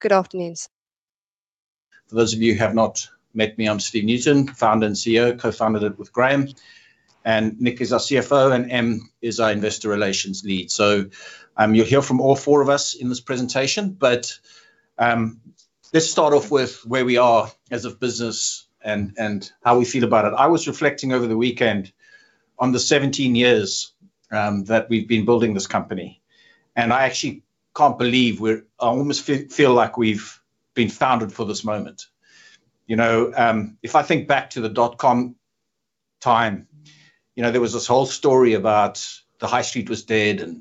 Good afternoon. For those of you who have not met me, I'm Steve Newton, founder and CEO, co-founded it with Graham. Nick is our CFO, and Em is our Investor Relations lead. You'll hear from all four of us in this presentation. Let's start off with where we are as a business and how we feel about it. I was reflecting over the weekend on the 17 years that we've been building this company, and I actually can't believe we're. I almost feel like we've been founded for this moment. If I think back to the dot-com time, there was this whole story about the high street was dead.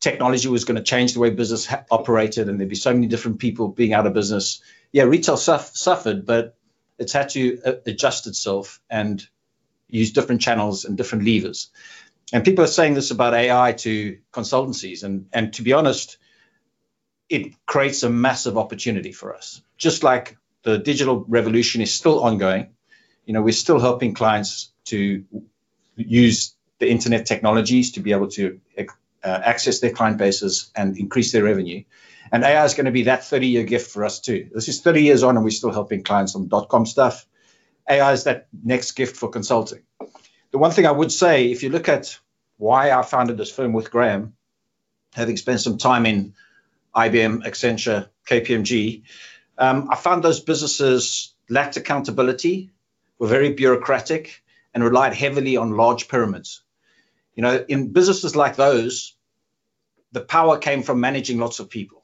Technology was going to change the way business operated, and there'd be so many different people being out of business. Yeah, retail suffered, but it's had to adjust itself and use different channels and different levers. People are saying this about AI to consultancies, and to be honest, it creates a massive opportunity for us. Just like the digital revolution is still ongoing. We're still helping clients to use the internet technologies to be able to access their client bases and increase their revenue. AI is going to be that 30-year gift for us, too. This is 30 years on, and we're still helping clients on dot-com stuff. AI is that next gift for consulting. The one thing I would say, if you look at why I founded this firm with Graham, having spent some time in IBM, Accenture, KPMG, I found those businesses lacked accountability, were very bureaucratic, and relied heavily on large pyramids. In businesses like those, the power came from managing lots of people.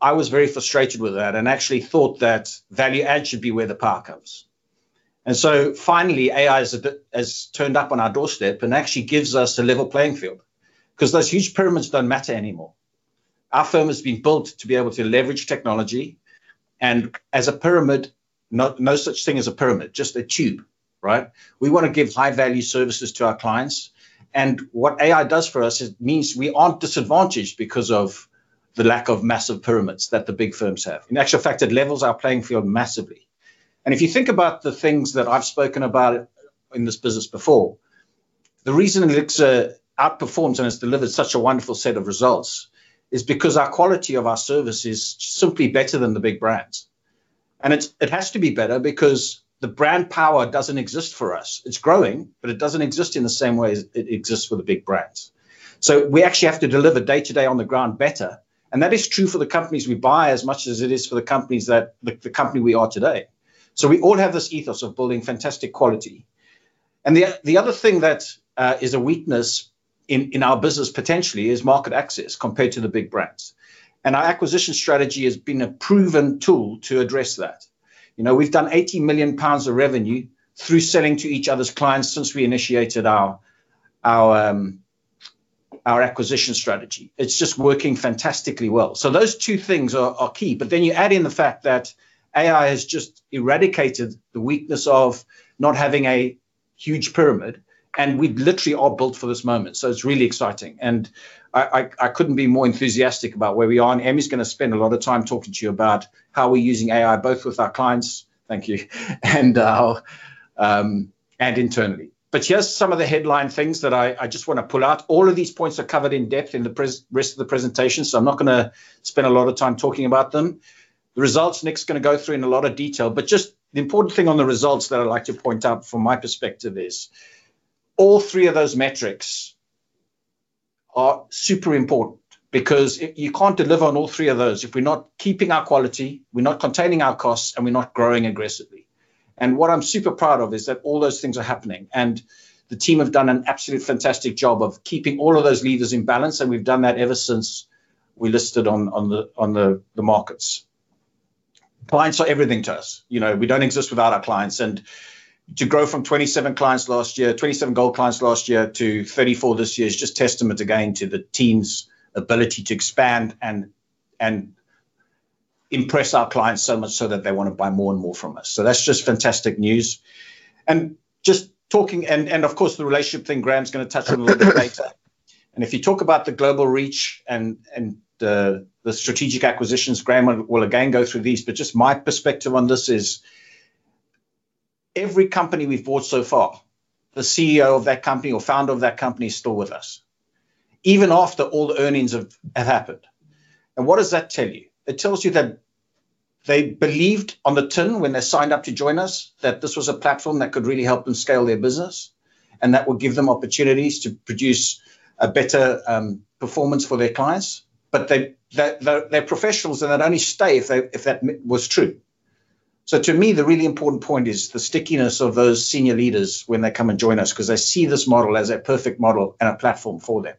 I was very frustrated with that and actually thought that value add should be where the power comes. Finally, AI has turned up on our doorstep and actually gives us a level playing field. Because those huge pyramids don't matter anymore. Our firm has been built to be able to leverage technology, and as a pyramid, no such thing as a pyramid, just a tube, right? We want to give high-value services to our clients. What AI does for us, it means we aren't disadvantaged because of the lack of massive pyramids that the big firms have. In actual fact, it levels our playing field massively. If you think about the things that I've spoken about in this business before, the reason Elixirr outperforms and has delivered such a wonderful set of results is because our quality of our service is simply better than the big brands. It has to be better because the brand power doesn't exist for us. It's growing, but it doesn't exist in the same way as it exists for the big brands. We actually have to deliver day-to-day on the ground better, and that is true for the companies we buy as much as it is for the company we are today. We all have this ethos of building fantastic quality. The other thing that is a weakness in our business potentially is market access compared to the big brands. Our acquisition strategy has been a proven tool to address that. We've done 18 million pounds of revenue through selling to each other's clients since we initiated our acquisition strategy. It's just working fantastically well. Those two things are key. You add in the fact that AI has just eradicated the weakness of not having a huge pyramid, and we literally are built for this moment. It's really exciting. I couldn't be more enthusiastic about where we are. Em is going to spend a lot of time talking to you about how we're using AI, both with our clients, thank you, and internally. But here's some of the headline things that I just want to pull out. All of these points are covered in-depth in the rest of the presentation, so I'm not going to spend a lot of time talking about them. The results, Nick's going to go through in a lot of detail. Just the important thing on the results that I'd like to point out from my perspective is all three of those metrics are super important because you can't deliver on all three of those if we're not keeping our quality, we're not containing our costs, and we're not growing aggressively. What I'm super proud of is that all those things are happening, and the team have done an absolutely fantastic job of keeping all of those levers in balance. We've done that ever since we listed on the markets. Clients are everything to us. We don't exist without our clients. To grow from 27 clients last year, 27 gold clients last year to 34 this year is just testament again to the team's ability to expand and impress our clients so much so that they want to buy more and more from us. That's just fantastic news. Just talking, and of course, the relationship thing, Graham's going to touch on a little bit later. If you talk about the global reach and the strategic acquisitions, Graham will again go through these. Just my perspective on this is every company we've bought so far, the CEO of that company or founder of that company is still with us, even after all the earnings have happened. What does that tell you? It tells you that they believed on the tin when they signed up to join us that this was a platform that could really help them scale their business and that would give them opportunities to produce a better performance for their clients. They're professionals, and they'd only stay if that was true. To me, the really important point is the stickiness of those senior leaders when they come and join us because they see this model as a perfect model and a platform for them.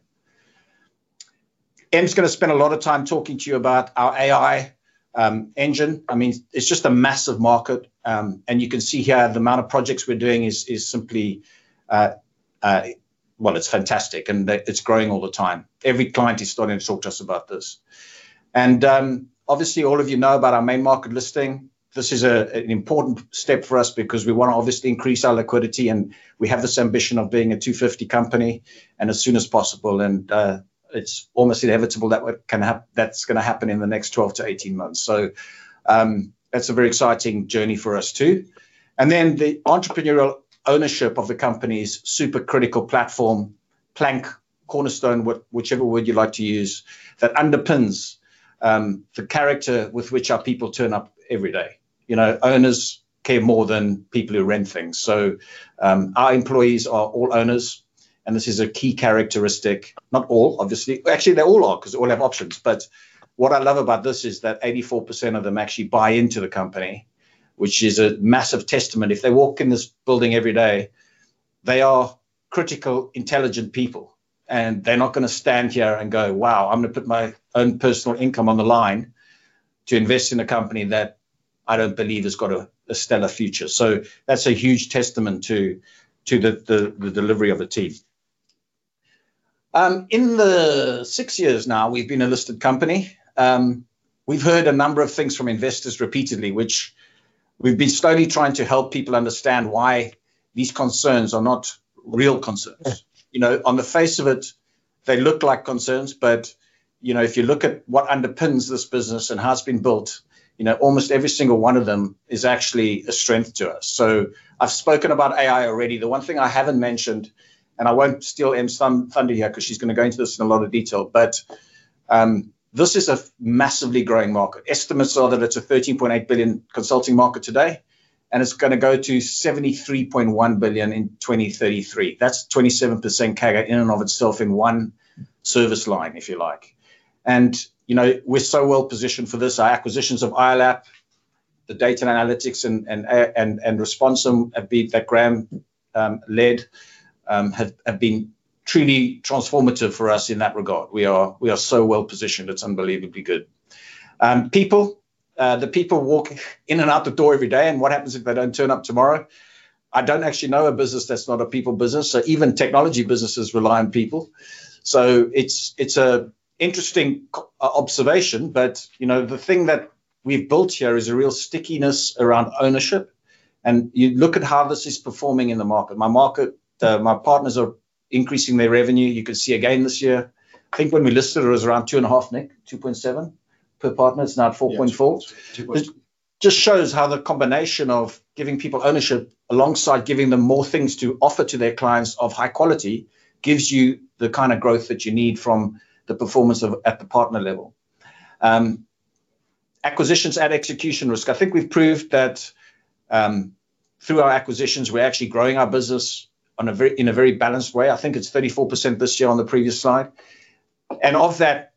Em's going to spend a lot of time talking to you about our AI engine. It's just a massive market, and you can see here the amount of projects we're doing is simply fantastic, and it's growing all the time. Every client is starting to talk to us about this. Obviously, all of you know about our Main Market listing. This is an important step for us because we want to obviously increase our liquidity, and we have this ambition of being a FTSE 250 company, and as soon as possible. It's almost inevitable that's going to happen in the next 12 to 18 months. That's a very exciting journey for us, too. The entrepreneurial ownership of the company's supercritical platform, Plank Cornerstone, whichever word you like to use, that underpins the character with which our people turn up every day. Owners care more than people who rent things. Our employees are all owners, and this is a key characteristic. Not all, obviously. Actually, they all are, because they all have options. What I love about this is that 84% of them actually buy into the company, which is a massive testament. If they walk in this building every day, they are critical, intelligent people, and they're not going to stand here and go, "Wow. I'm going to put my own personal income on the line to invest in a company that I don't believe has got a stellar future." That's a huge testament to the delivery of the team. In the six years now we've been a listed company, we've heard a number of things from investors repeatedly, which we've been slowly trying to help people understand why these concerns are not real concerns. On the face of it, they look like concerns. If you look at what underpins this business and how it's been built, almost every single one of them is actually a strength to us. I've spoken about AI already. The one thing I haven't mentioned, and I won't steal Em here, because she's going to go into this in a lot of detail, but this is a massively growing market. Estimates are that it's a 13.8 billion consulting market today, and it's going to go to 73.1 billion in 2033. That's 27% CAGR in and of itself in one service line, if you like. We're so well positioned for this. Our acquisitions of iOLAP, the data and analytics, and Responsum that Graham led have been truly transformative for us in that regard. We are so well positioned. It's unbelievably good. People. The people walk in and out the door every day, and what happens if they don't turn up tomorrow? I don't actually know a business that's not a people business. Even technology businesses rely on people. It's an interesting observation. The thing that we've built here is a real stickiness around ownership. You look at how this is performing in the market. My partners are increasing their revenue. You can see again this year. I think when we listed it was around 2.5, Nick, 2.7 per partner. It's now 4.4. Just shows how the combination of giving people ownership alongside giving them more things to offer to their clients of high quality gives you the kind of growth that you need from the performance at the partner level. Acquisitions add execution risk. I think we've proved that through our acquisitions, we're actually growing our business in a very balanced way. I think it's 34% this year on the previous slide. Of that,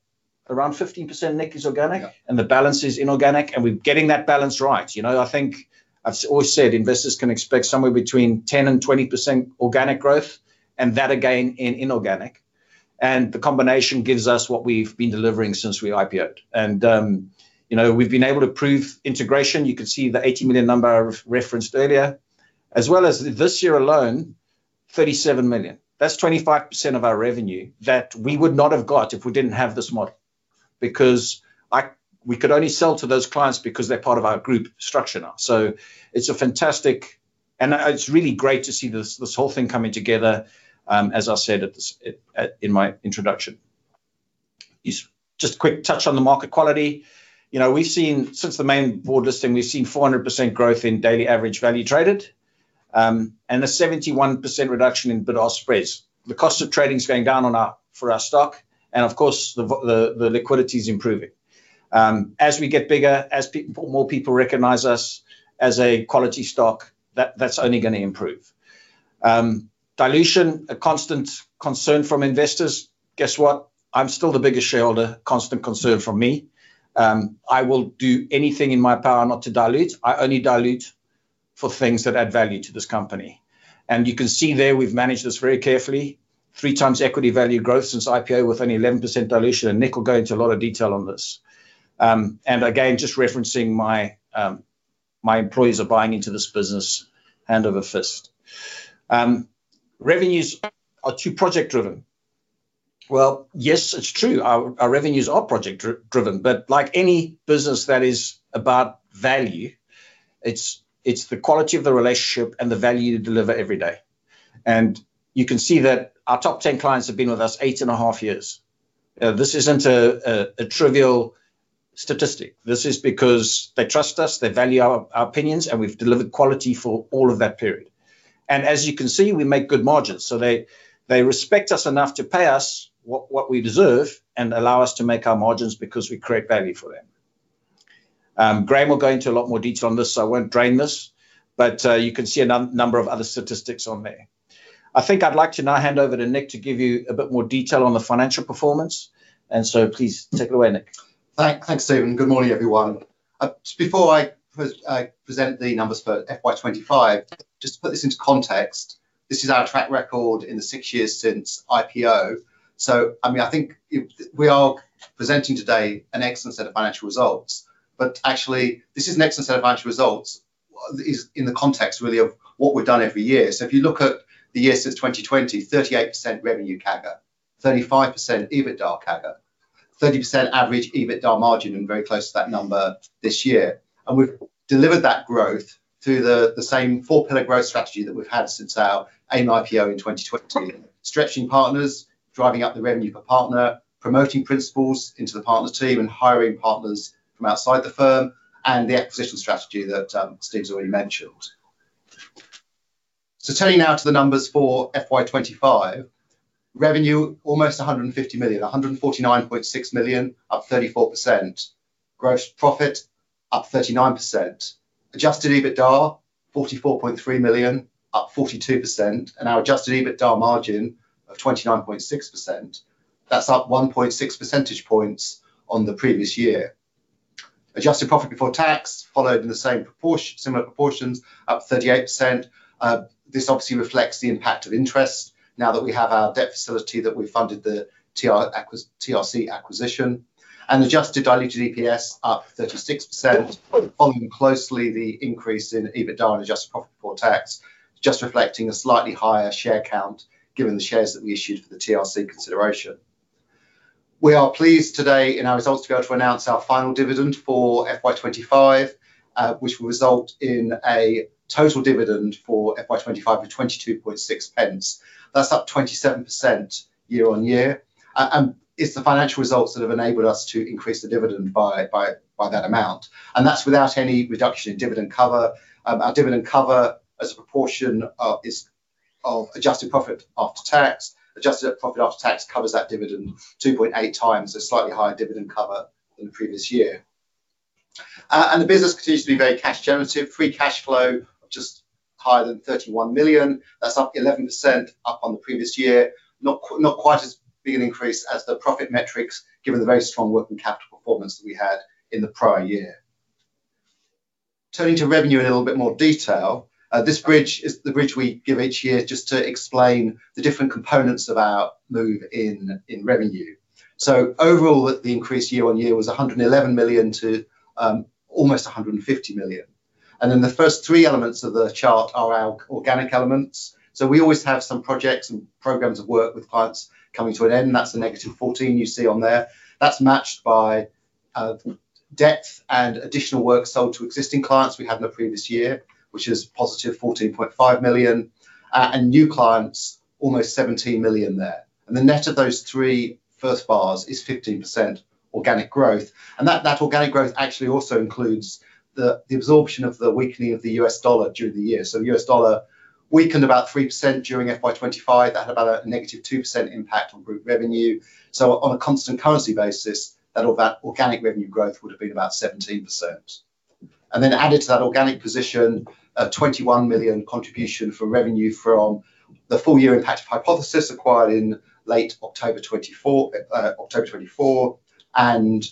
around 15% of which is organic. The balance is inorganic, and we're getting that balance right. I think I've always said investors can expect somewhere between 10%-20% organic growth, and that again in inorganic. The combination gives us what we've been delivering since we IPO'd. We've been able to prove integration. You can see the 80 million number I referenced earlier, as well as this year alone, 37 million. That's 25% of our revenue that we would not have got if we didn't have this model. Because we could only sell to those clients because they're part of our group structure now. So it's fantastic. It's really great to see this whole thing coming together, as I said in my introduction. Just a quick touch on the market quality. Since the main board listing, we've seen 400% growth in daily average value traded and a 71% reduction in bid-ask spreads. The cost of trading is going down for our stock, and of course, the liquidity is improving. As we get bigger, as more people recognize us as a quality stock, that's only going to improve. Dilution, a constant concern from investors. Guess what? I'm still the biggest shareholder. Constant concern from me. I will do anything in my power not to dilute. I only dilute for things that add value to this company. You can see there, we've managed this very carefully. Three times equity value growth since IPO with only 11% dilution. Nick will go into a lot of detail on this. Again, just referencing my employees are buying into this business, hand over fist. Revenues are too project driven. Well, yes, it's true. Our revenues are project driven. Like any business that is about value, it's the quality of the relationship and the value you deliver every day. You can see that our top 10 clients have been with us eight and a half years. This isn't a trivial statistic. This is because they trust us, they value our opinions, and we've delivered quality for all of that period. As you can see, we make good margins. They respect us enough to pay us what we deserve and allow us to make our margins because we create value for them. Graham will go into a lot more detail on this, so I won't dwell on this. You can see a number of other statistics on there. I think I'd like to now hand over to Nick to give you a bit more detail on the financial performance. Please take it away, Nick. Thanks, Steve. Good morning, everyone. Just before I present the numbers for FY 2025, just to put this into context, this is our track record in the six years since IPO. I think we are presenting today an excellent set of financial results. Actually, this is an excellent set of financial results in the context really of what we've done every year. If you look at the years since 2020, 38% revenue CAGR, 35% EBITDA CAGR, 30% average EBITDA margin, and very close to that number this year. We've delivered that growth through the same four-pillar growth strategy that we've had since our AIM IPO in 2020. Stretching partners, driving up the revenue per partner, promoting principals into the partner team, and hiring partners from outside the firm, and the acquisition strategy that Steve's already mentioned. Turning now to the numbers for FY 2025. Revenue almost 150 million, 149.6 million, up 34%. Gross profit up 39%, adjusted EBITDA 44.3 million, up 42%, and our adjusted EBITDA margin of 29.6%. That's up 1.6 percentage points on the previous year. Adjusted profit before tax followed in similar proportions, up 38%. This obviously reflects the impact of interest now that we have our debt facility that we funded the TRC acquisition. Adjusted diluted EPS up 36%, following closely the increase in EBITDA and adjusted profit before tax, just reflecting a slightly higher share count given the shares that we issued for the TRC consideration. We are pleased today in our results to be able to announce our final dividend for FY 2025, which will result in a total dividend for FY 2025 of GBP 0.226. That's up 27% year-on-year. It's the financial results that have enabled us to increase the dividend by that amount, and that's without any reduction in dividend cover. Our dividend cover as a proportion of adjusted profit after tax. Adjusted profit after tax covers that dividend 2.8x, a slightly higher dividend cover than the previous year. The business continues to be very cash generative. Free cash flow just higher than 31 million. That's up 11% on the previous year. Not quite as big an increase as the profit metrics, given the very strong working capital performance that we had in the prior year. Turning to revenue in a little bit more detail. This bridge is the bridge we give each year just to explain the different components of our move in revenue. Overall, the increase year-on-year was 111 million to almost 150 million. Then the first three elements of the chart are our organic elements. We always have some projects and programs of work with clients coming to an end, and that's the -14 million you see on there. That's matched by depth and additional work sold to existing clients we had in the previous year, which is 14.5 million, and new clients almost 17 million there. The net of those three first bars is 15% organic growth, and that organic growth actually also includes the absorption of the weakening of the U.S. dollar during the year. The U.S. dollar weakened about 3% during FY 2025. That had about a -2% impact on group revenue. On a constant currency basis, that organic revenue growth would have been about 17%. Then added to that organic position, a 21 million contribution for revenue from the full year impact of Hypothesis acquired in late October 2024 and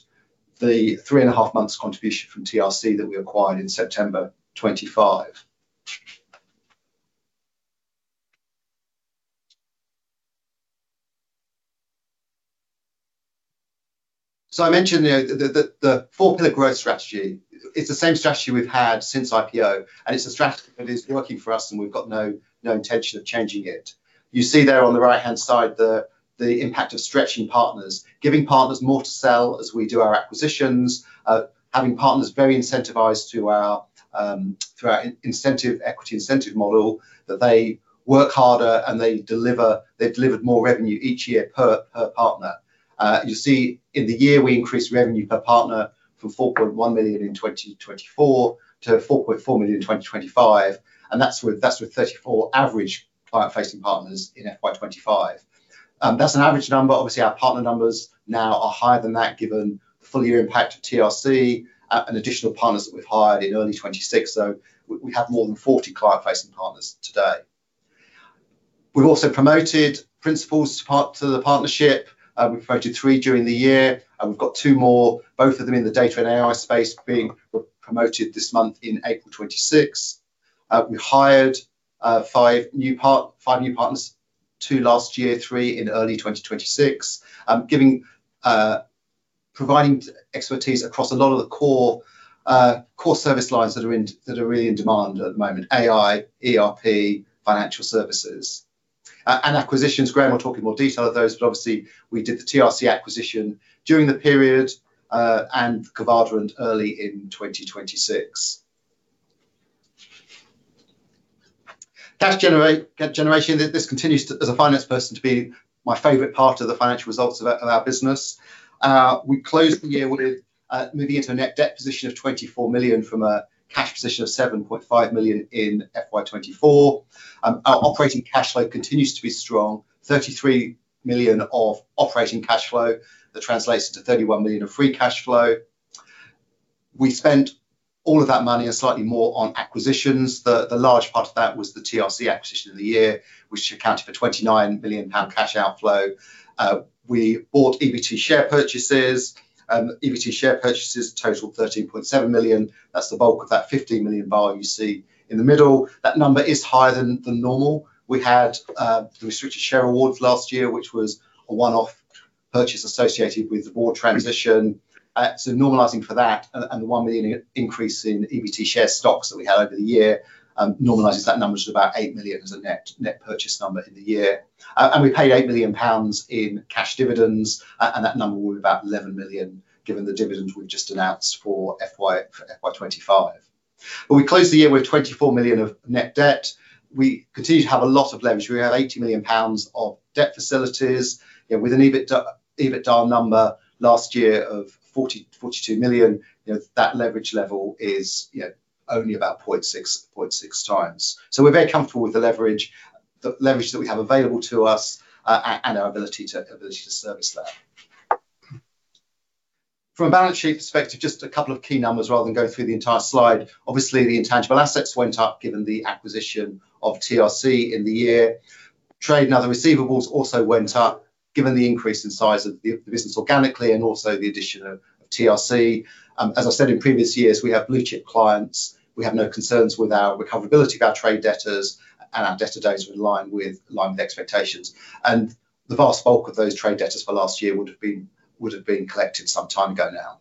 the 3.5 months contribution from TRC that we acquired in September 2025. I mentioned the four-pillar growth strategy. It's the same strategy we've had since IPO, and it's a strategy that is working for us and we've got no intention of changing it. You see there on the right-hand side the impact of stretching partners, giving partners more to sell as we do our acquisitions. Having partners very incentivized through our equity incentive model that they work harder and they deliver. They've delivered more revenue each year per partner. You see in the year, we increased revenue per partner from 4.1 million in 2024 to 4.4 million in 2025, and that's with 34 average client-facing partners in FY 2025. That's an average number. Obviously, our partner numbers now are higher than that given the full year impact of TRC and additional partners that we've hired in early 2026. We have more than 40 client-facing partners today. We've also promoted principals to the partnership. We promoted three during the year, and we've got two more, both of them in the data and AI space, being promoted this month in April 2026. We hired five new partners, two last year, three in early 2026, providing expertise across a lot of the core service lines that are really in demand at the moment, AI, ERP, financial services. Acquisitions, Graham will talk in more detail of those, but obviously we did the TRC acquisition during the period, and Kvadrant early in 2026. Cash generation. This continues, as a finance person, to be my favorite part of the financial results of our business. We closed the year with moving into a net debt position of 24 million from a cash position of 7.5 million in FY 2024. Our operating cash flow continues to be strong, 33 million. That translates into 31 million of free cash flow. We spent all of that money and slightly more on acquisitions. The large part of that was the TRC acquisition of the year, which accounted for 29 million pound cash outflow. We bought EBT share purchases. EBT share purchases total 13.7 million. That's the bulk of that 15 million bar you see in the middle. That number is higher than normal. We had restricted share awards last year, which was a one-off purchase associated with board transition. Normalizing for that and the 1 million increase in EBT share stocks that we had over the year normalizes that number to about 8 million as a net purchase number in the year. We paid 8 million pounds in cash dividends, and that number will be about 11 million given the dividends we've just announced for FY 2025. We closed the year with 24 million of net debt. We continue to have a lot of leverage. We have 80 million pounds of debt facilities. With an EBITDA number last year of 42 million, that leverage level is only about 0.6x. We're very comfortable with the leverage that we have available to us, and our ability to service that. From a balance sheet perspective, just a couple of key numbers rather than go through the entire slide. Obviously, the intangible assets went up given the acquisition of TRC in the year. Trade and other receivables also went up, given the increase in size of the business organically and also the addition of TRC. As I said in previous years, we have blue-chip clients. We have no concerns with our recoverability of our trade debtors, and our debtor days were in line with expectations. The vast bulk of those trade debtors for last year would have been collected some time ago now.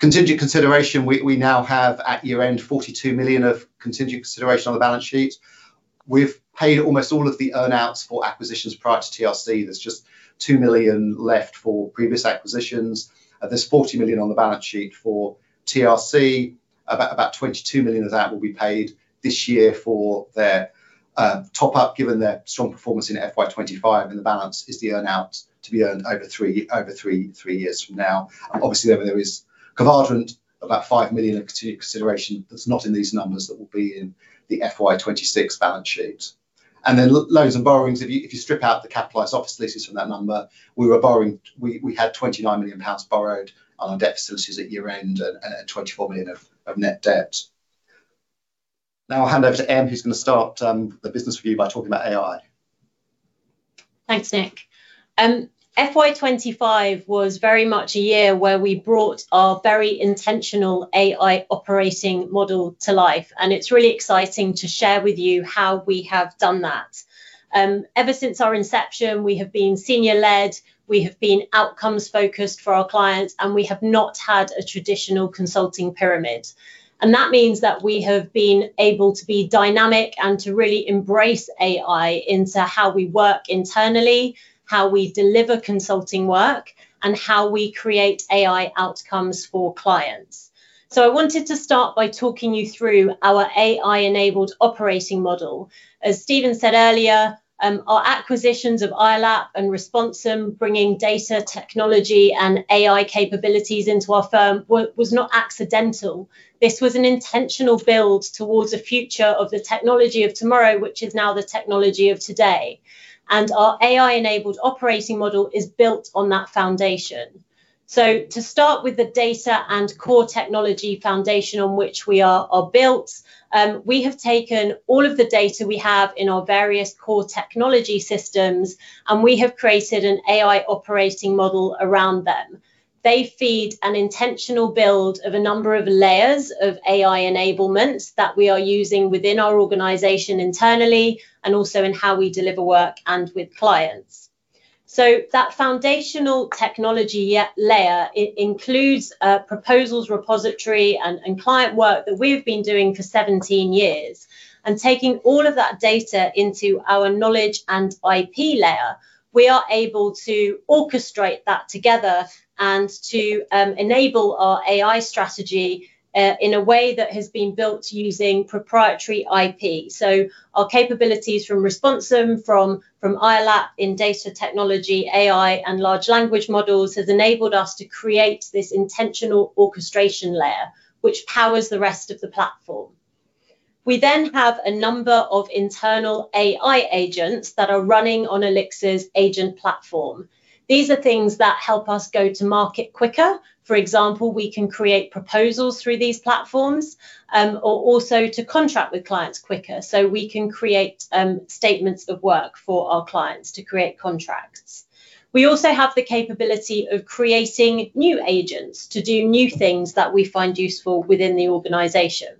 Contingent consideration. We now have at year-end 42 million of contingent consideration on the balance sheet. We've paid almost all of the earn-outs for acquisitions prior to TRC. There's just 2 million left for previous acquisitions. There's 40 million on the balance sheet for TRC. About 22 million of that will be paid this year for their top-up, given their strong performance in FY 2025, and the balance is the earn-out to be earned over three years from now. Obviously, there is Kvadrant, about 5 million of contingent consideration that's not in these numbers that will be in the FY 2026 balance sheet. Then loans and borrowings. If you strip out the capitalized office leases from that number, we had 29 million pounds borrowed on our debt facilities at year-end and 24 million of net debt. Now I'll hand over to Em, who's going to start the business review by talking about AI. Thanks, Nick. FY 2025 was very much a year where we brought our very intentional AI operating model to life, and it's really exciting to share with you how we have done that. Ever since our inception, we have been senior-led, we have been outcomes-focused for our clients, and we have not had a traditional consulting pyramid. That means that we have been able to be dynamic and to really embrace AI into how we work internally, how we deliver consulting work, and how we create AI outcomes for clients. I wanted to start by talking you through our AI-enabled operating model. As Stephen said earlier, our acquisitions of iOLAP and Responsum, bringing data technology and AI capabilities into our firm was not accidental. This was an intentional build towards a future of the technology of tomorrow, which is now the technology of today. Our AI-enabled operating model is built on that foundation. To start with the data and core technology foundation on which we are built, we have taken all of the data we have in our various core technology systems, and we have created an AI operating model around them. They feed an intentional build of a number of layers of AI enablements that we are using within our organization internally and also in how we deliver work and with clients. That foundational technology layer, it includes a proposals repository and client work that we've been doing for 17 years. Taking all of that data into our knowledge and IP layer, we are able to orchestrate that together and to enable our AI strategy, in a way that has been built using proprietary IP. Our capabilities from Responsum, from iOLAP in data technology, AI, and large language models has enabled us to create this intentional orchestration layer, which powers the rest of the platform. We have a number of internal AI agents that are running on Elixirr's agent platform. These are things that help us go to market quicker. For example, we can create proposals through these platforms, or also to contract with clients quicker. We can create statements of work for our clients to create contracts. We also have the capability of creating new agents to do new things that we find useful within the organization.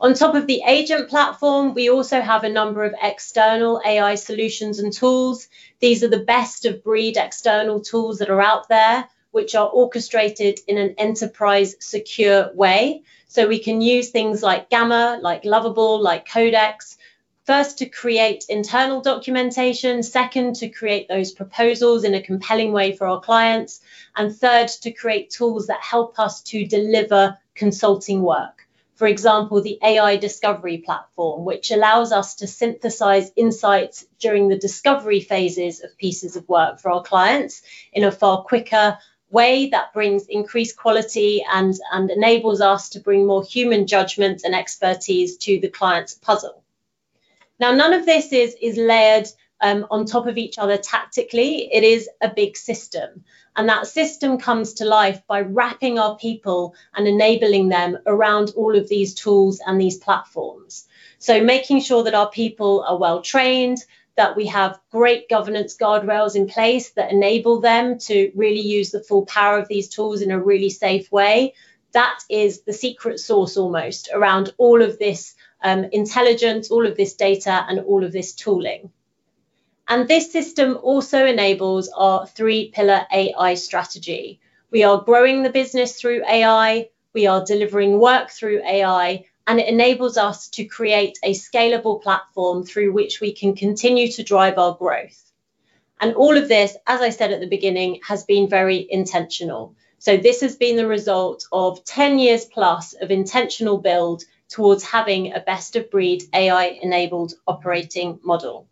On top of the agent platform, we also have a number of external AI solutions and tools. These are the best-of-breed external tools that are out there, which are orchestrated in an enterprise secure way. We can use things like Gamma, like Lovable, like Codex. First, to create internal documentation. Second, to create those proposals in a compelling way for our clients. Third, to create tools that help us to deliver consulting work. For example, the AI discovery platform, which allows us to synthesize insights during the discovery phases of pieces of work for our clients in a far quicker way that brings increased quality and enables us to bring more human judgment and expertise to the client's puzzle. Now, none of this is layered on top of each other tactically. It is a big system, and that system comes to life by wrapping our people and enabling them around all of these tools and these platforms. Making sure that our people are well trained, that we have great governance guardrails in place that enable them to really use the full power of these tools in a really safe way. That is the secret sauce, almost, around all of this intelligence, all of this data, and all of this tooling. This system also enables our three-pillar AI strategy. We are growing the business through AI, we are delivering work through AI, and it enables us to create a scalable platform through which we can continue to drive our growth. All of this, as I said at the beginning, has been very intentional. This has been the result of 10+ years of intentional build towards having a best-of-breed AI-enabled operating model.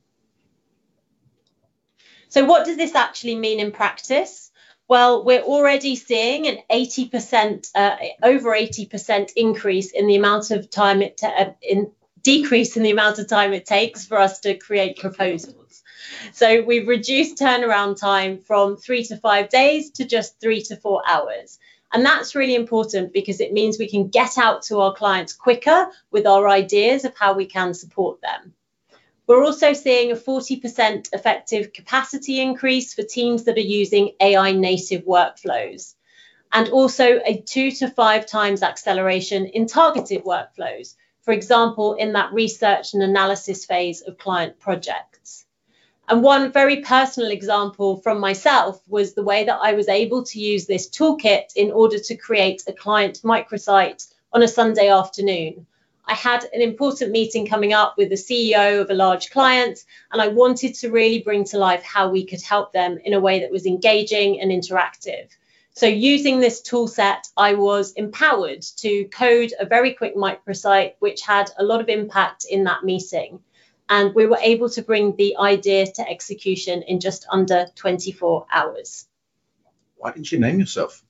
What does this actually mean in practice? Well, we're already seeing an over 80% decrease in the amount of time it takes for us to create proposals. We've reduced turnaround time from three to five days to just 3-4 hours. That's really important because it means we can get out to our clients quicker with our ideas of how we can support them. We're also seeing a 40% effective capacity increase for teams that are using AI-native workflows, and also a 2x-5x acceleration in targeted workflows. For example, in that research and analysis phase of client projects. One very personal example from myself was the way that I was able to use this toolkit in order to create a client microsite on a Sunday afternoon. I had an important meeting coming up with the CEO of a large client, and I wanted to really bring to life how we could help them in a way that was engaging and interactive. Using this tool set, I was empowered to code a very quick microsite, which had a lot of impact in that meeting, and we were able to bring the idea to execution in just under 24 hours. Why didn't you name yourself?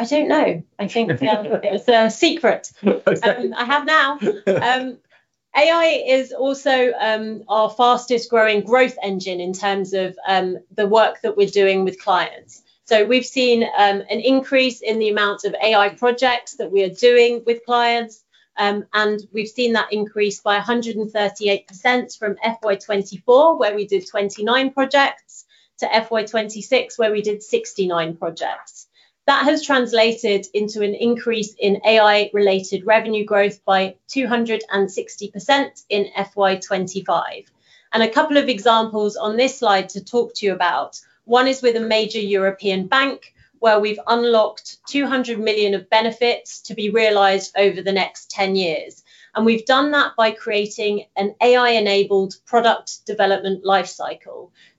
I don't know. I think it was a secret. I have now. AI is also our fastest growing growth engine in terms of the work that we're doing with clients. We've seen an increase in the amount of AI projects that we are doing with clients, and we've seen that increase by 138% from FY 2024, where we did 29 projects, to FY 2026, where we did 69 projects. That has translated into an increase in AI-related revenue growth by 260% in FY 2025. A couple of examples on this slide to talk to you about, one is with a major European bank where we've unlocked 200 million of benefits to be realized over the next 10 years. We've done that by creating an AI-enabled product development life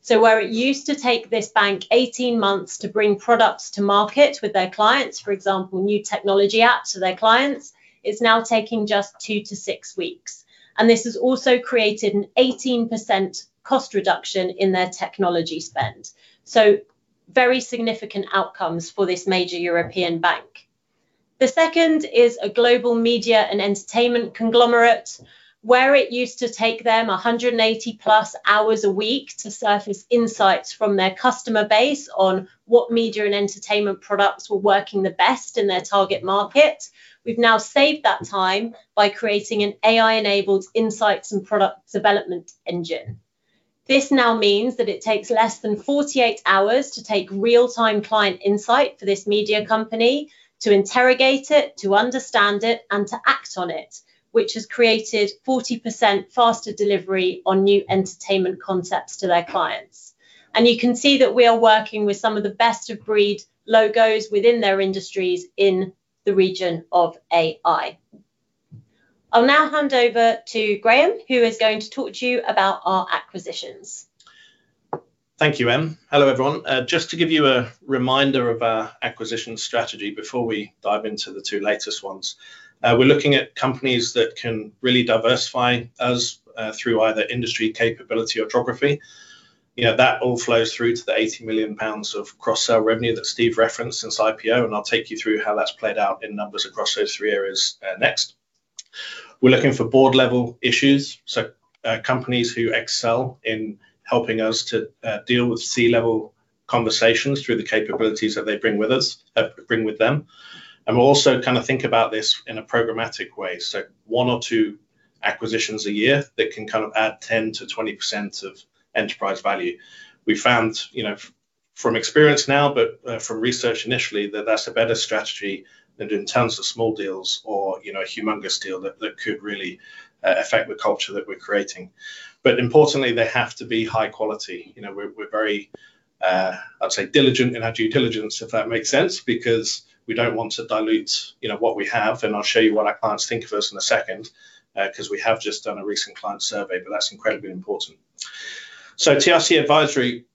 cycle. Where it used to take this bank 18 months to bring products to market with their clients, for example, new technology apps for their clients, it's now taking just two to six weeks, and this has also created an 18% cost reduction in their technology spend. Very significant outcomes for this major European bank. The second is a global media and entertainment conglomerate where it used to take them 180+ hours a week to surface insights from their customer base on what media and entertainment products were working the best in their target market. We've now saved that time by creating an AI-enabled insights and product development engine. This now means that it takes less than 48 hours to take real-time client insight for this media company to interrogate it, to understand it, and to act on it, which has created 40% faster delivery on new entertainment concepts to their clients. You can see that we are working with some of the best of breed logos within their industries in the region of AI. I'll now hand over to Graham, who is going to talk to you about our acquisitions. Thank you, Em. Hello, everyone. Just to give you a reminder of our acquisition strategy before we dive into the two latest ones. We're looking at companies that can really diversify us, through either industry capability or geography. That all flows through to the 80 million pounds of cross-sell revenue that Steve referenced since IPO, and I'll take you through how that's played out in numbers across those three areas next. We're looking for board-level issues, so companies who excel in helping us to deal with C-level conversations through the capabilities that they bring with them. We also kind of think about this in a programmatic way, so one or two acquisitions a year that can kind of add 10%-20% of enterprise value. We found from experience now, but from research initially, that that's a better strategy than doing tons of small deals or a humongous deal that could really affect the culture that we're creating. Importantly, they have to be high quality. We're very, I'd say, diligent in our due diligence, if that makes sense, because we don't want to dilute what we have. I'll show you what our clients think of us in a second, because we have just done a recent client survey, but that's incredibly important. TRC Advisory,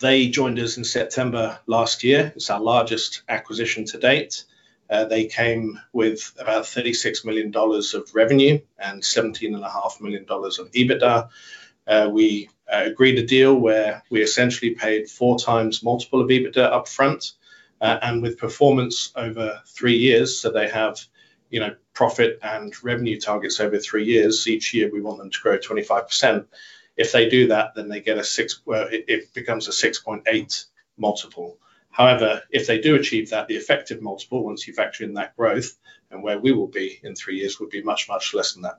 they joined us in September last year. It's our largest acquisition to date. They came with about $36 million of revenue and $17.5 million of EBITDA. We agreed a deal where we essentially paid 4x multiple of EBITDA upfront, and with performance over three years, so they have profit and revenue targets over three years. Each year, we want them to grow 25%. If they do that, it becomes a 6.8 multiple. However, if they do achieve that, the effective multiple, once you factor in that growth and where we will be in three years, will be much, much less than that.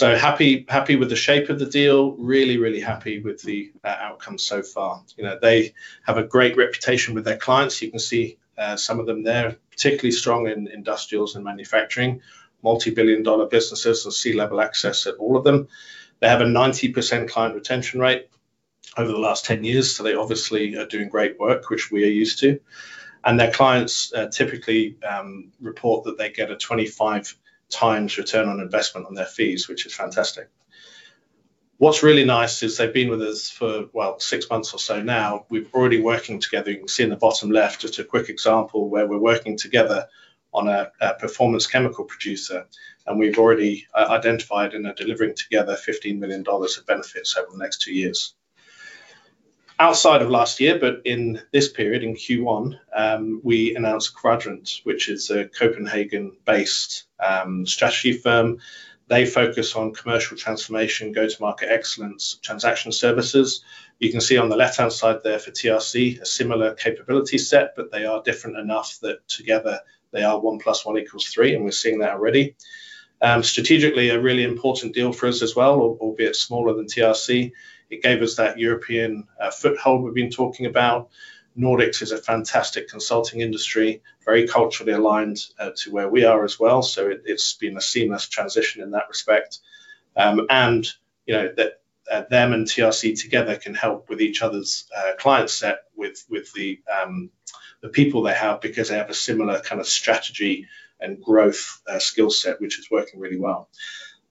Happy with the shape of the deal. Really, really happy with the outcome so far. They have a great reputation with their clients. You can see some of them there, particularly strong in industrials and manufacturing, multi-billion-dollar businesses with C-level access at all of them. They have a 90% client retention rate over the last 10 years, so they obviously are doing great work, which we are used to. Their clients typically report that they get a 25x return on investment on their fees, which is fantastic. What's really nice is they've been with us for, well, six months or so now. We're already working together. You can see in the bottom left just a quick example where we're working together on a performance chemical producer, and we've already identified and are delivering together $15 million of benefits over the next two years. Outside of last year, but in this period, in Q1, we announced Kvadrant, which is a Copenhagen-based strategy firm. They focus on commercial transformation, go-to-market excellence, transaction services. You can see on the left-hand side there for TRC, a similar capability set, but they are different enough that together they are one plus one equals three, and we're seeing that already. Strategically, a really important deal for us as well, albeit smaller than TRC. It gave us that European foothold we've been talking about. Nordic is a fantastic consulting industry, very culturally aligned to where we are as well, so it's been a seamless transition in that respect. Them and TRC together can help with each other's client set with the people they have because they have a similar kind of strategy and growth skill set, which is working really well.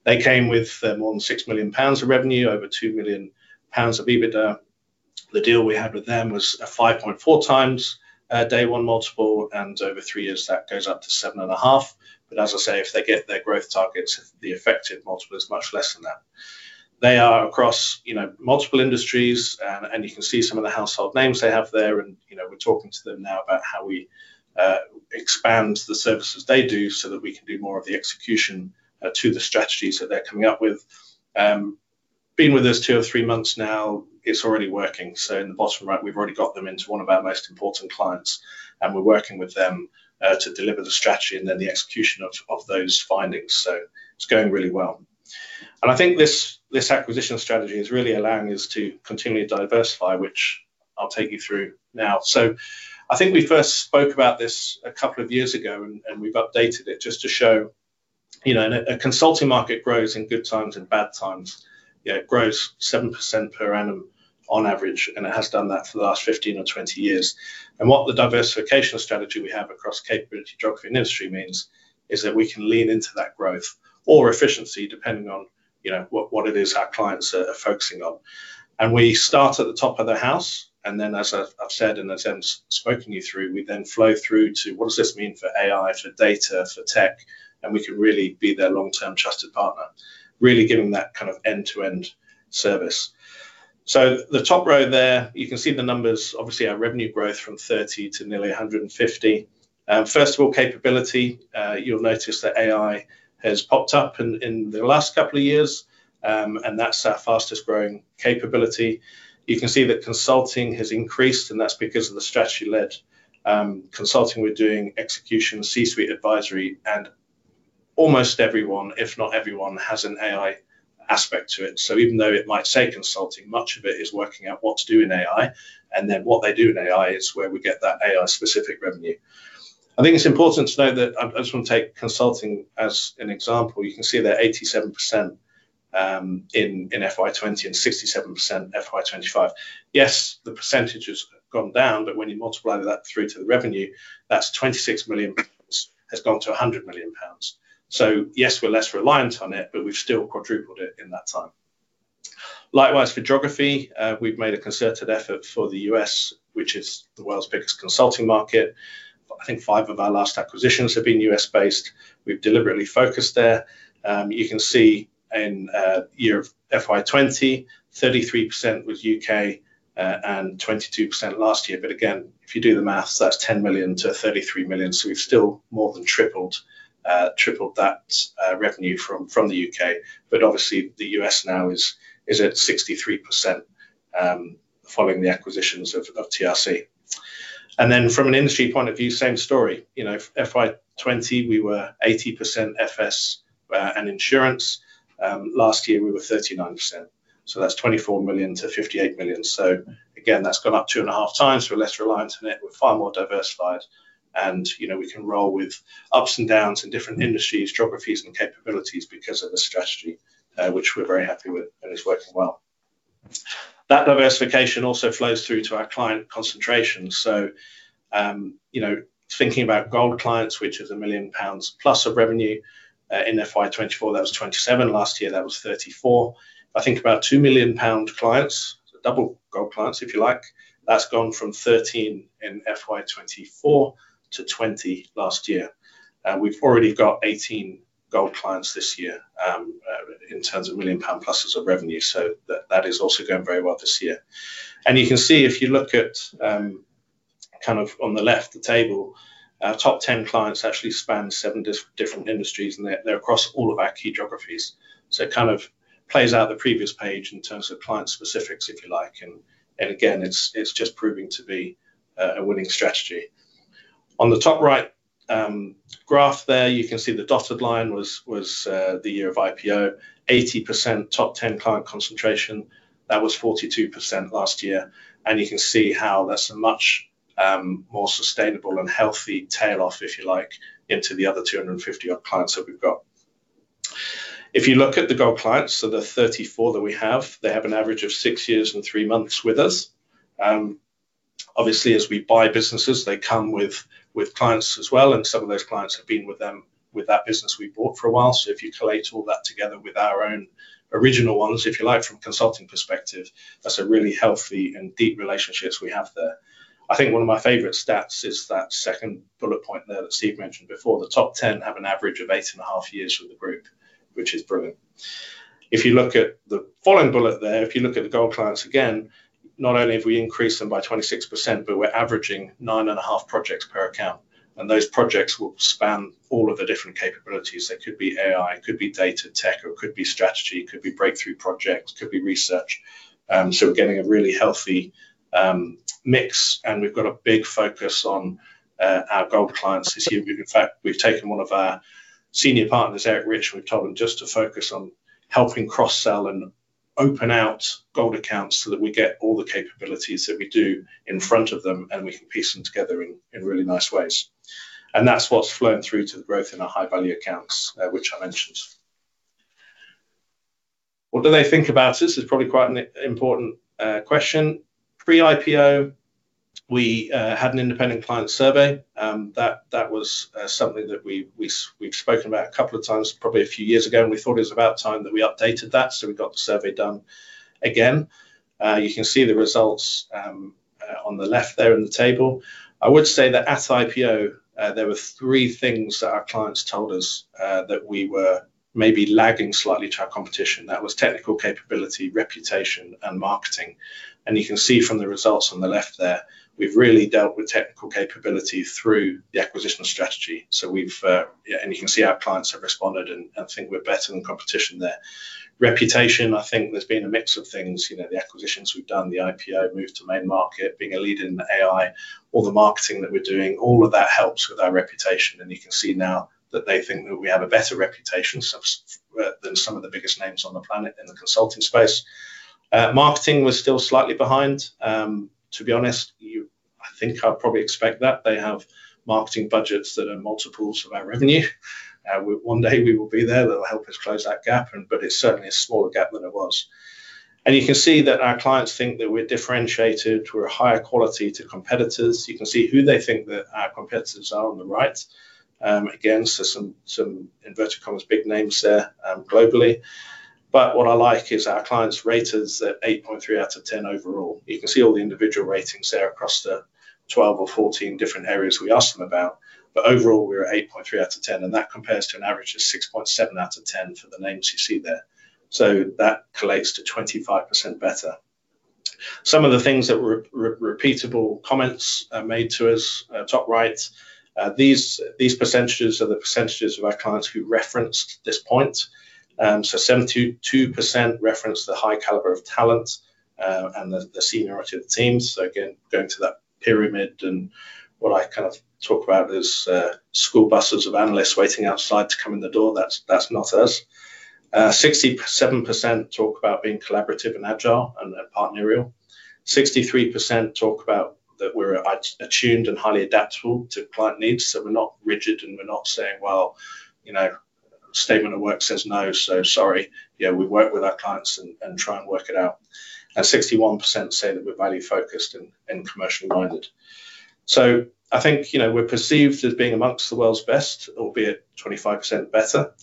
They came with more than 6 million pounds of revenue, over 2 million pounds of EBITDA. The deal we had with them was a 5.4x day one multiple, and over three years, that goes up to 7.5. As I say, if they get their growth targets, the effective multiple is much less than that. They are across multiple industries, and you can see some of the household names they have there. We're talking to them now about how we expand the services they do so that we can do more of the execution to the strategies that they're coming up with. Been with us two or three months now, it's already working. In the bottom right, we've already got them into one of our most important clients, and we're working with them to deliver the strategy and then the execution of those findings. It's going really well. I think this acquisition strategy is really allowing us to continually diversify, which I'll take you through now. I think we first spoke about this a couple of years ago, and we've updated it just to show a consulting market grows in good times and bad times. It grows 7% per annum on average, and it has done that for the last 15 or 20 years. What the diversification strategy we have across capability, geography, and industry means is that we can lean into that growth or efficiency, depending on what it is our clients are focusing on. We start at the top of the house, and then, as I've said, and as Em's spoken you through, we then flow through to what does this mean for AI, for data, for tech, and we can really be their long-term trusted partner, really giving that kind of end-to-end service. The top row there, you can see the numbers, obviously, our revenue growth from 30 to nearly 150. First of all, capability, you'll notice that AI has popped up in the last couple of years, and that's our fastest-growing capability. You can see that consulting has increased, and that's because of the strategy-led consulting we're doing, execution, C-suite advisory, and almost everyone, if not everyone, has an AI aspect to it. Even though it might say consulting, much of it is working out what to do in AI, and then what they do in AI is where we get that AI-specific revenue. I think it's important to know that. I just want to take consulting as an example. You can see they're 87% in FY 2020 and 67% in FY 2025. Yes, the percentage has gone down, but when you multiply that through to the revenue, that's 26 million pounds has gone to 100 million pounds. Yes, we're less reliant on it, but we've still quadrupled it in that time. Likewise, for geography, we've made a concerted effort for the U.S., which is the world's biggest consulting market. I think five of our last acquisitions have been U.S.-based. We've deliberately focused there. You can see in FY 2020, 33% was U.K. and 22% last year. Again, if you do the math, that's 10 million-33 million, so we've still more than tripled that revenue from the U.K. Obviously the U.S. now is at 63% following the acquisitions of TRC. Then from an industry point of view, same story. FY 2020, we were 80% FS and insurance. Last year we were 39%, so that's 24 million-58 million. Again, that's gone up 2.5x. We're less reliant on it. We're far more diversified, and we can roll with ups and downs in different industries, geographies, and capabilities because of the strategy, which we're very happy with and is working well. That diversification also flows through to our client concentration. Thinking about gold clients, which is 1 million pounds plus of revenue. In FY 2024, that was 27. Last year, that was 34. If I think about 2 million pound clients, double gold clients, if you like, that's gone from 13 in FY 2024 to 20 last year. We've already got 18 gold clients this year in terms of 1 million pound pluses of revenue. That is also going very well this year. You can see if you look at kind of on the left, the table, our top 10 clients actually span seven different industries, and they're across all of our key geographies. It kind of plays out the previous page in terms of client specifics, if you like. Again, it's just proving to be a winning strategy. On the top right graph there, you can see the dotted line was the year of IPO, 80% top 10 client concentration. That was 42% last year. You can see how that's a much more sustainable and healthy tail-off, if you like, into the other 250-odd clients that we've got. If you look at the gold clients, so the 34 that we have, they have an average of six years and three months with us. Obviously, as we buy businesses, they come with clients as well, and some of those clients have been with them, with that business we bought for a while. If you collate all that together with our own original ones, if you like, from a consulting perspective, that's a really healthy and deep relationships we have there. I think one of my favorite stats is that second bullet point there that Steve mentioned before. The top 10 have an average of 8.5 years with the group, which is brilliant. If you look at the following bullet there, if you look at the gold clients again, not only have we increased them by 26%, but we're averaging 9.5 projects per account, and those projects will span all of the different capabilities. They could be AI, could be data tech, or could be strategy, could be breakthrough projects, could be research. We're getting a really healthy mix, and we've got a big focus on our gold clients this year. In fact, we've taken one of our senior partners, Eric Rich, and we've told him just to focus on helping cross-sell and open out gold accounts so that we get all the capabilities that we do in front of them, and we can piece them together in really nice ways. That's what's flown through to the growth in our high-value accounts, which I mentioned. What do they think about us? Is probably quite an important question. Pre-IPO, we had an independent client survey. That was something that we've spoken about a couple of times, probably a few years ago, and we thought it was about time that we updated that, so we got the survey done again. You can see the results on the left there in the table. I would say that at IPO, there were three things that our clients told us that we were maybe lagging slightly to our competition. That was technical capability, reputation, and marketing. You can see from the results on the left there, we've really dealt with technical capability through the acquisition strategy. You can see our clients have responded and think we're better than the competition there. Reputation, I think there's been a mix of things. The acquisitions we've done, the IPO, move to main market, being a leader in AI, all the marketing that we're doing, all of that helps with our reputation, and you can see now that they think that we have a better reputation than some of the biggest names on the planet in the consulting space. Marketing, we're still slightly behind. To be honest, I think I'd probably expect that. They have marketing budgets that are multiples of our revenue. One day we will be there. That'll help us close that gap, but it's certainly a smaller gap than it was. You can see that our clients think that we're differentiated, we're higher quality to competitors. You can see who they think that our competitors are on the right. Again, so some "big names" there globally. What I like is our clients rate us at 8.3 out of 10 overall. You can see all the individual ratings there across the 12 or 14 different areas we asked them about. Overall, we were 8.3 out of 10, and that compares to an average of 6.7 out of 10 for the names you see there. That collates to 25% better. Some of the things that were repeatable comments made to us, top right. These percentages are the percentages of our clients who referenced this point. 72% referenced the high caliber of talent, and the seniority of the teams. Again, going to that pyramid and what I kind of talk about as school buses of analysts waiting outside to come in the door, that's not us. 67% talk about being collaborative and agile and partnerial. 63% talk about that we're attuned and highly adaptable to client needs. We're not rigid, and we're not saying, "Well, statement of work says no, so sorry." We work with our clients and try and work it out. 61% say that we're value-focused and commercially-minded. I think, we're perceived as being amongst the world's best, albeit 25% better,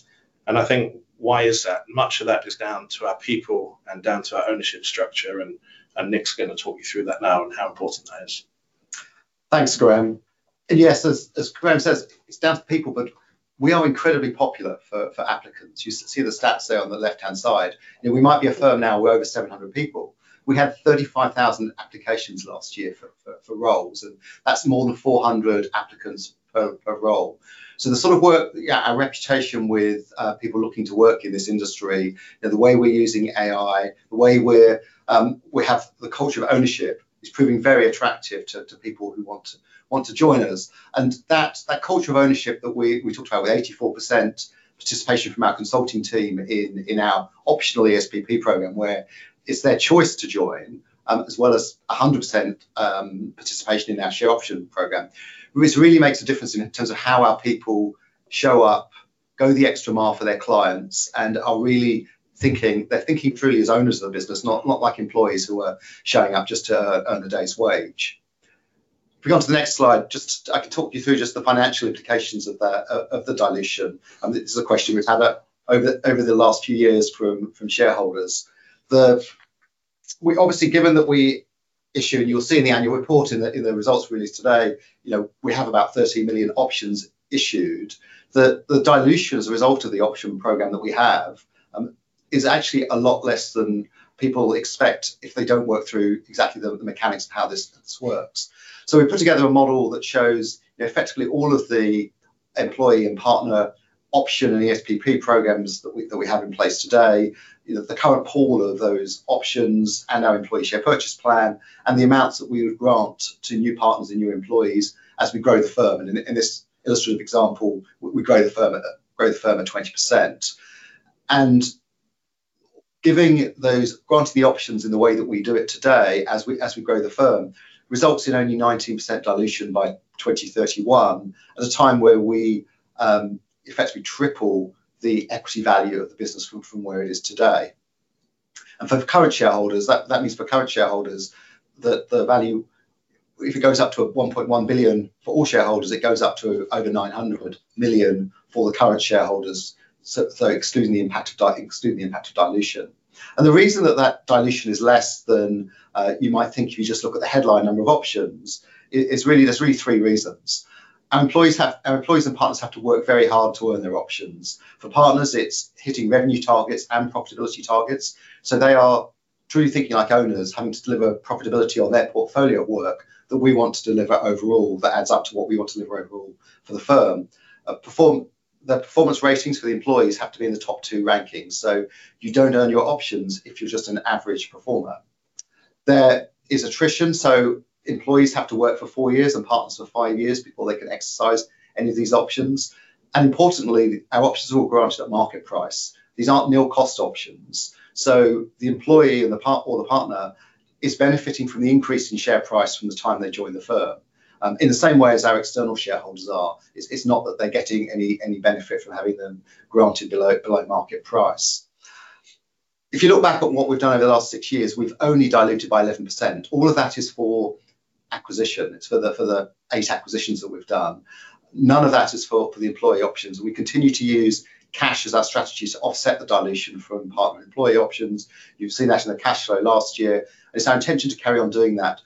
and I think why is that? Much of that is down to our people and down to our ownership structure, and Nick's going to talk you through that now and how important that is. Thanks, Graham. Yes, as Graham says, it's down to people, but we are incredibly popular for applicants. You see the stats there on the left-hand side, and we might be a firm now with over 700 people. We had 35,000 applications last year for roles, and that's more than 400 applicants per role. The sort of work, our reputation with people looking to work in this industry and the way we're using AI, the way we have the culture of ownership is proving very attractive to people who want to join us. That culture of ownership that we talked about with 84% participation from our consulting team in our optional ESPP program, where it's their choice to join, as well as 100% participation in our share option program, which really makes a difference in terms of how our people show up, go the extra mile for their clients and are really thinking, they're thinking truly as owners of the business, not like employees who are showing up just to earn the day's wage. If we come to the next slide, I can talk you through just the financial implications of the dilution, and this is a question we've had over the last few years from shareholders. Obviously, given that we issued, you'll see in the Annual Report, in the results released today, we have about 30 million options issued. The dilution as a result of the option program that we have is actually a lot less than people expect if they don't work through exactly the mechanics of how this works. We've put together a model that shows effectively all of the employee and partner option and ESPP programs that we have in place today, the current pool of those options and our employee share purchase plan, and the amounts that we would grant to new partners and new employees as we grow the firm. In this illustrative example, we grow the firm at 20%. Granting the options in the way that we do it today as we grow the firm, results in only 19% dilution by 2031, at a time where we effectively triple the equity value of the business from where it is today. For the current shareholders, that means for current shareholders, the value, if it goes up to 1.1 billion for all shareholders, it goes up to over 900 million for the current shareholders, so excluding the impact of dilution. The reason that dilution is less than you might think if you just look at the headline number of options, there's really three reasons. Our employees and partners have to work very hard to earn their options. For partners, it's hitting revenue targets and profitability targets, so they are truly thinking like owners having to deliver profitability on their portfolio of work that we want to deliver overall, that adds up to what we want to deliver overall for the firm. The performance ratings for the employees have to be in the top two rankings, so you don't earn your options if you're just an average performer. There is attrition, so employees have to work for four years and partners for five years before they can exercise any of these options. Importantly, our options are all granted at market price. These aren't nil-cost options. The employee or the partner is benefiting from the increase in share price from the time they join the firm, in the same way as our external shareholders are. It's not that they're getting any benefit from having them granted below market price. If you look back on what we've done over the last six years, we've only diluted by 11%. All of that is for acquisition. It's for the eight acquisitions that we've done. None of that is for the employee options. We continue to use cash as our strategy to offset the dilution from partner and employee options. You've seen that in the cash flow last year. It's our intention to carry on doing that,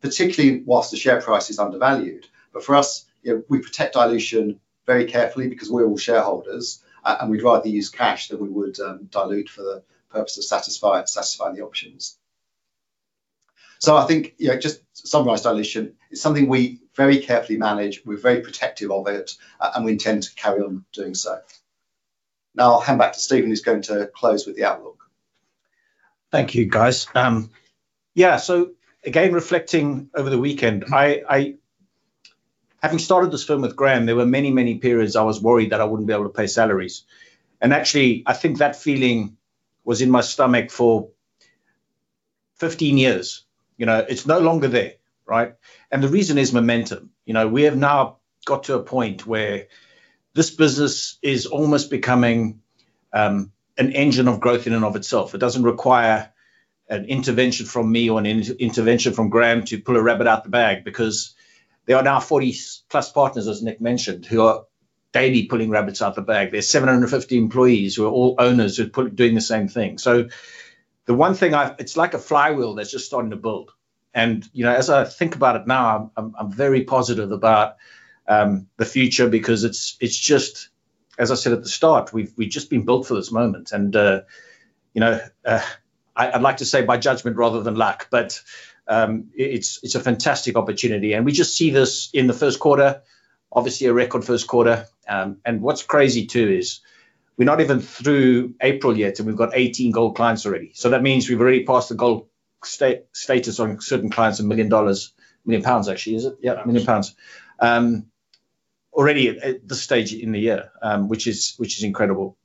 particularly while the share price is undervalued. For us, we protect dilution very carefully because we're all shareholders, and we'd rather use cash than we would dilute for the purpose of satisfying the options. I think, just to summarize dilution, it's something we very carefully manage. We're very protective of it, and we intend to carry on doing so. Now I'll hand back to Stephen, who's going to close with the outlook. Thank you, guys. Yeah. Again, reflecting over the weekend, having started this firm with Graham, there were many, many periods I was worried that I wouldn't be able to pay salaries. Actually, I think that feeling was in my stomach for 15 years. It's no longer there, right? The reason is momentum. We have now got to a point where this business is almost becoming an engine of growth in and of itself. It doesn't require an intervention from me or an intervention from Graham to pull a rabbit out the bag because there are now 40+ partners, as Nick mentioned, who are daily pulling rabbits out the bag. There's 750 employees who are all owners who are doing the same thing. The one thing, it's like a flywheel that's just starting to build. As I think about it now, I'm very positive about the future because it's just, as I said at the start, we've just been built for this moment. I'd like to say by judgment rather than luck, but it's a fantastic opportunity, and we just see this in the first quarter, obviously a record first quarter. What's crazy too is we're not even through April yet, and we've got 18 gold clients already. That means we've already passed the gold status on certain clients, $1 million, 1 million pounds actually, is it? Yeah. 1 million pounds. Already at this stage in the year, which is incredible.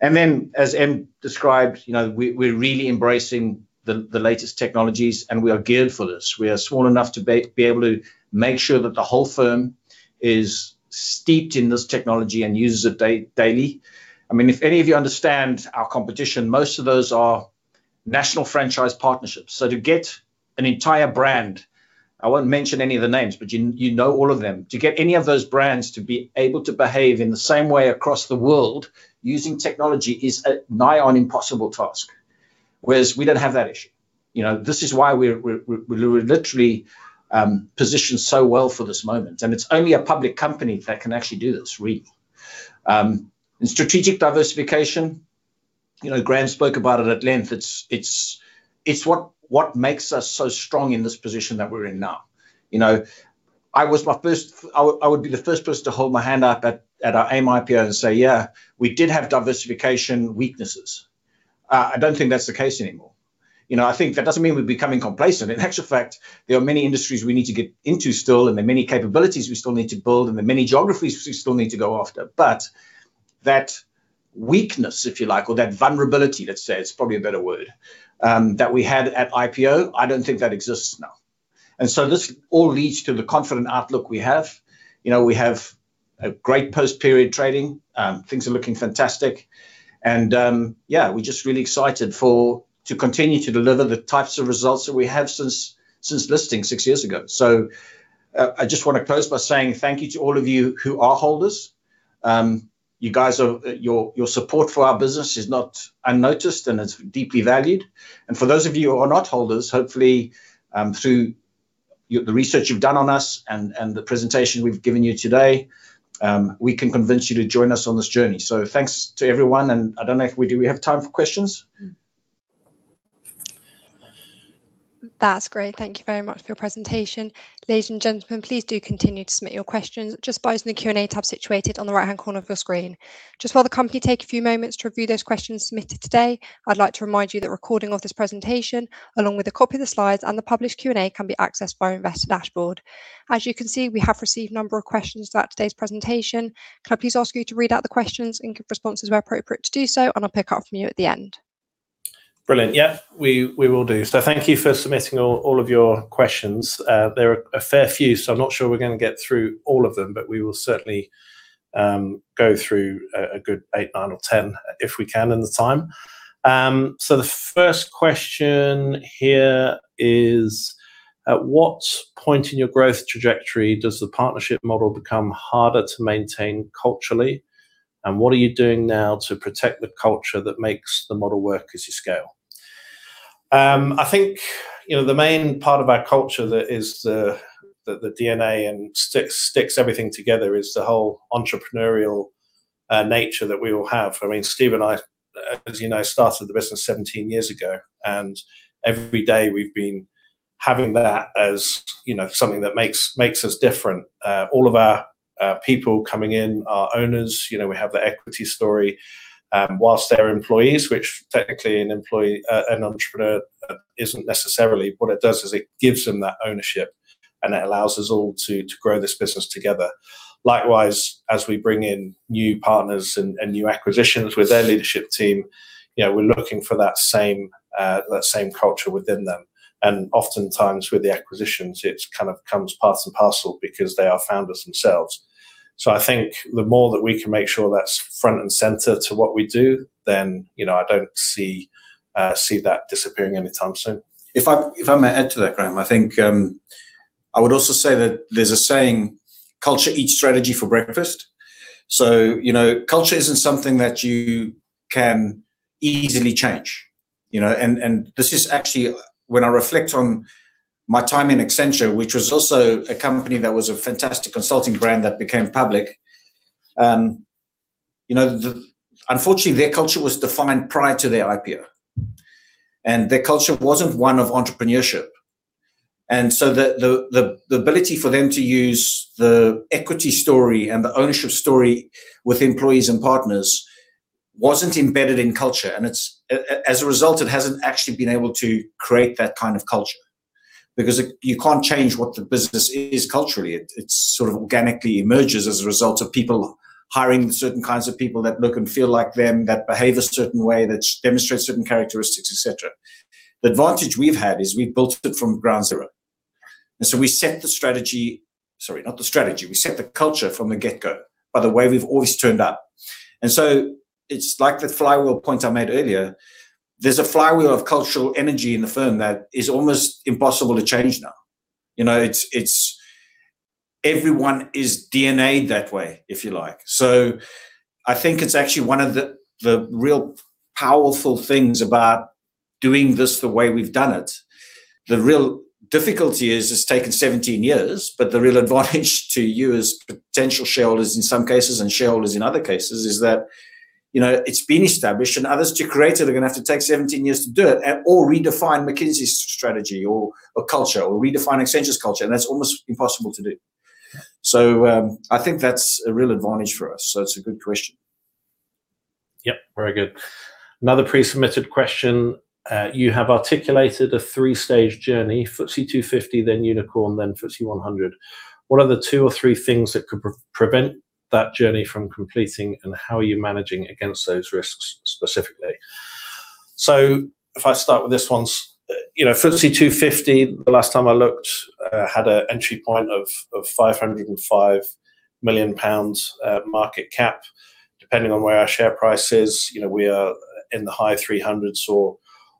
Then as Em described, we're really embracing the latest technologies and we are geared for this. We are small enough to be able to make sure that the whole firm is steeped in this technology and uses it daily. If any of you understand our competition, most of those are national franchise partnerships. To get an entire brand, I won't mention any of the names, but you know all of them. To get any of those brands to be able to behave in the same way across the world using technology is a nigh on impossible task, whereas we don't have that issue. This is why we're literally positioned so well for this moment, and it's only a public company that can actually do this, really. Strategic diversification, Graham spoke about it at length. It's what makes us so strong in this position that we're in now. I would be the first person to hold my hand up at our AIM IPO and say, "Yeah, we did have diversification weaknesses." I don't think that's the case anymore. I think that doesn't mean we're becoming complacent. In actual fact, there are many industries we need to get into still, and there are many capabilities we still need to build, and there are many geographies we still need to go after. But that weakness, if you like, or that vulnerability, let's say, is probably a better word, that we had at IPO, I don't think that exists now. This all leads to the confident outlook we have. We have a great post-period trading. Things are looking fantastic. Yeah, we're just really excited to continue to deliver the types of results that we have since listing six years ago. I just want to close by saying thank you to all of you who are holders. Your support for our business is not unnoticed, and it's deeply valued. For those of you who are not holders, hopefully, through the research you've done on us and the presentation we've given you today, we can convince you to join us on this journey. Thanks to everyone, and I don't know if we do. We have time for questions? That's great. Thank you very much for your presentation. Ladies and gentlemen, please do continue to submit your questions just by using the Q&A tab situated on the right-hand corner of your screen. Just while the company take a few moments to review those questions submitted today, I'd like to remind you that a recording of this presentation, along with a copy of the slides and the published Q&A, can be accessed via Investor Dashboard. As you can see, we have received a number of questions about today's presentation. Can I please ask you to read out the questions and give responses where appropriate to do so, and I'll pick up from you at the end. Brilliant. Yeah. We will do. Thank you for submitting all of your questions. There are a fair few, so I'm not sure we're going to get through all of them, but we will certainly go through a good eight, nine or 10 if we can in the time. The first question here is, at what point in your growth trajectory does the partnership model become harder to maintain culturally, and what are you doing now to protect the culture that makes the model work as you scale? I think the main part of our culture that is the DNA and sticks everything together is the whole entrepreneurial nature that we all have. Steve and I, as you know, started the business 17 years ago, and every day we've been having that as something that makes us different. All of our people coming in are owners. We have the equity story. While they're employees, which technically an entrepreneur isn't necessarily. What it does is it gives them that ownership, and it allows us all to grow this business together. Likewise, as we bring in new partners and new acquisitions with their leadership team, we're looking for that same culture within them. And oftentimes with the acquisitions, it kind of comes part and parcel because they are founders themselves. I think the more that we can make sure that's front and center to what we do, then I don't see that disappearing anytime soon. If I may add to that, Graham, I think I would also say that there's a saying, culture eats strategy for breakfast. Culture isn't something that you can easily change. This is actually when I reflect on my time in Accenture, which was also a company that was a fantastic consulting brand that became public. Unfortunately, their culture was defined prior to their IPO. Their culture wasn't one of entrepreneurship. The ability for them to use the equity story and the ownership story with employees and partners wasn't embedded in culture. As a result, it hasn't actually been able to create that kind of culture because you can't change what the business is culturally. It sort of organically emerges as a result of people hiring certain kinds of people that look and feel like them, that behave a certain way, that demonstrate certain characteristics, et cetera. The advantage we've had is we've built it from ground zero. We set the culture from the get-go by the way we've always turned up. It’s like the flywheel point I made earlier. There's a flywheel of cultural energy in the firm that is almost impossible to change now. Everyone is DNA'd that way, if you like. I think it's actually one of the real powerful things about doing this the way we've done it. The real difficulty is it's taken 17 years, but the real advantage to you as potential shareholders in some cases and shareholders in other cases is that it's been established and others to create it are going to have to take 17 years to do it or redefine McKinsey's strategy or culture, or redefine Accenture's culture, and that's almost impossible to do. I think that's a real advantage for us, so it's a good question. Yep, very good. Another pre-submitted question. You have articulated a three-stage journey, FTSE 250, then Unicorn, then FTSE 100. What are the two or three things that could prevent that journey from completing, and how are you managing against those risks specifically? If I start with this one. FTSE 250, the last time I looked, had an entry point of 505 million pounds market cap, depending on where our share price is. We are in the high GBP 300s or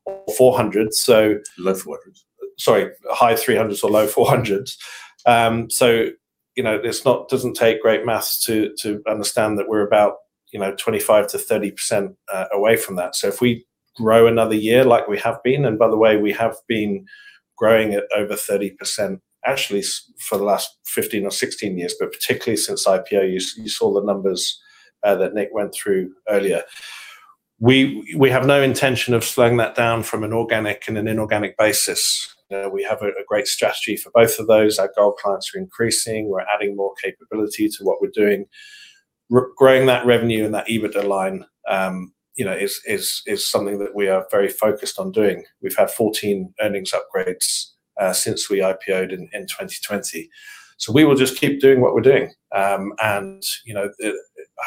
GBP 400s, so Low GBP 400s. Sorry. High GBP 300s or low GBP 400s. It doesn't take great math to understand that we're about 25%-30% away from that. If we grow another year like we have been, and by the way, we have been growing at over 30%, actually for the last 15 or 16 years, but particularly since IPO. You saw the numbers that Nick went through earlier. We have no intention of slowing that down from an organic and an inorganic basis. We have a great strategy for both of those. Our gold clients are increasing. We're adding more capability to what we're doing. Growing that revenue and that EBITDA line is something that we are very focused on doing. We've had 14 earnings upgrades since we IPO'd in 2020. We will just keep doing what we're doing.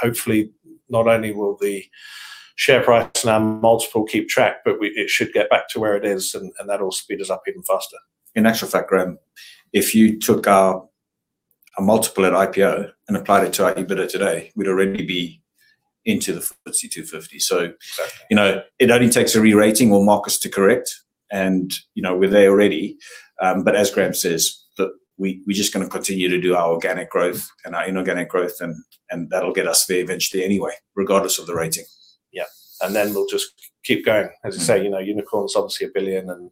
Hopefully not only will the share price and our multiple keep track, but it should get back to where it is and that'll speed us up even faster. In actual fact, Graham, if you took our multiple at IPO and applied it to our EBITDA today, we'd already be into the FTSE 250. Exactly. It only takes a re-rating or markets to correct, and we're there already. As Graham says, look, we're just going to continue to do our organic growth and our inorganic growth, and that'll get us there eventually anyway, regardless of the rating. Yeah. We'll just keep going. As I say, unicorn is obviously 1 billion,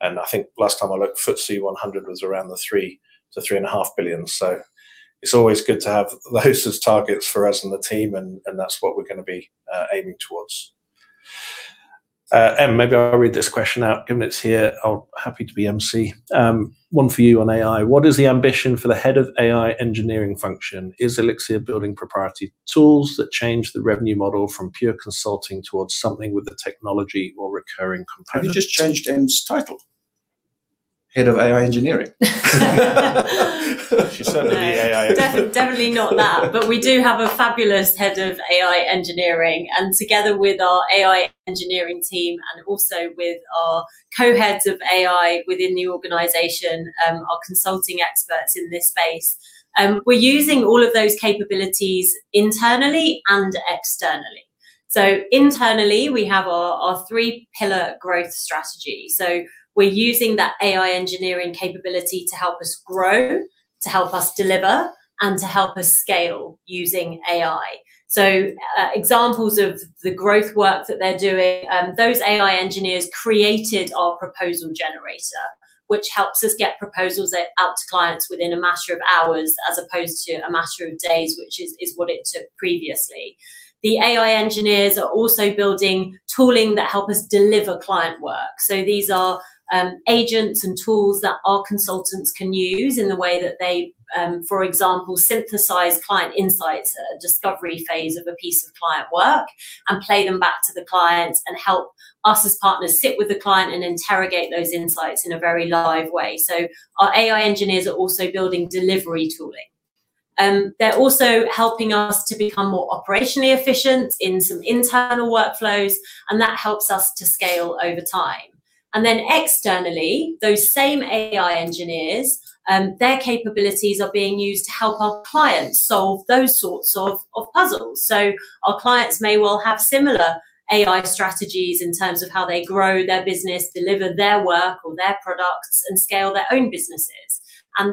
and I think last time I looked, FTSE 100 was around 3 billion-3.5 billion. It's always good to have those as targets for us and the team, and that's what we're going to be aiming towards. Maybe I'll read this question out, given it's here. I'll be happy to be emcee. One for you on AI. What is the ambition for the head of AI engineering function? Is Elixirr building proprietary tools that change the revenue model from pure consulting towards something with a technology or recurring component? Have you just changed Em's title? Head of AI Engineering? She's certainly the AI expert. No, definitely not that. We do have a fabulous Head of AI Engineering, and together with our AI engineering team and also with our co-heads of AI within the organization, our consulting experts in this space, we're using all of those capabilities internally and externally. Internally we have our three pillar growth strategy. We're using that AI engineering capability to help us grow, to help us deliver, and to help us scale using AI. Examples of the growth work that they're doing, those AI engineers created our proposal generator, which helps us get proposals out to clients within a matter of hours as opposed to a matter of days, which is what it took previously. The AI engineers are also building tooling that help us deliver client work. These are agents and tools that our consultants can use in the way that they, for example, synthesize client insights at a discovery phase of a piece of client work and play them back to the clients and help us as partners sit with the client and interrogate those insights in a very live way. Our AI engineers are also building delivery tooling. They're also helping us to become more operationally efficient in some internal workflows, and that helps us to scale over time. Externally, those same AI engineers, their capabilities are being used to help our clients solve those sorts of puzzles. Our clients may well have similar AI strategies in terms of how they grow their business, deliver their work or their products, and scale their own businesses.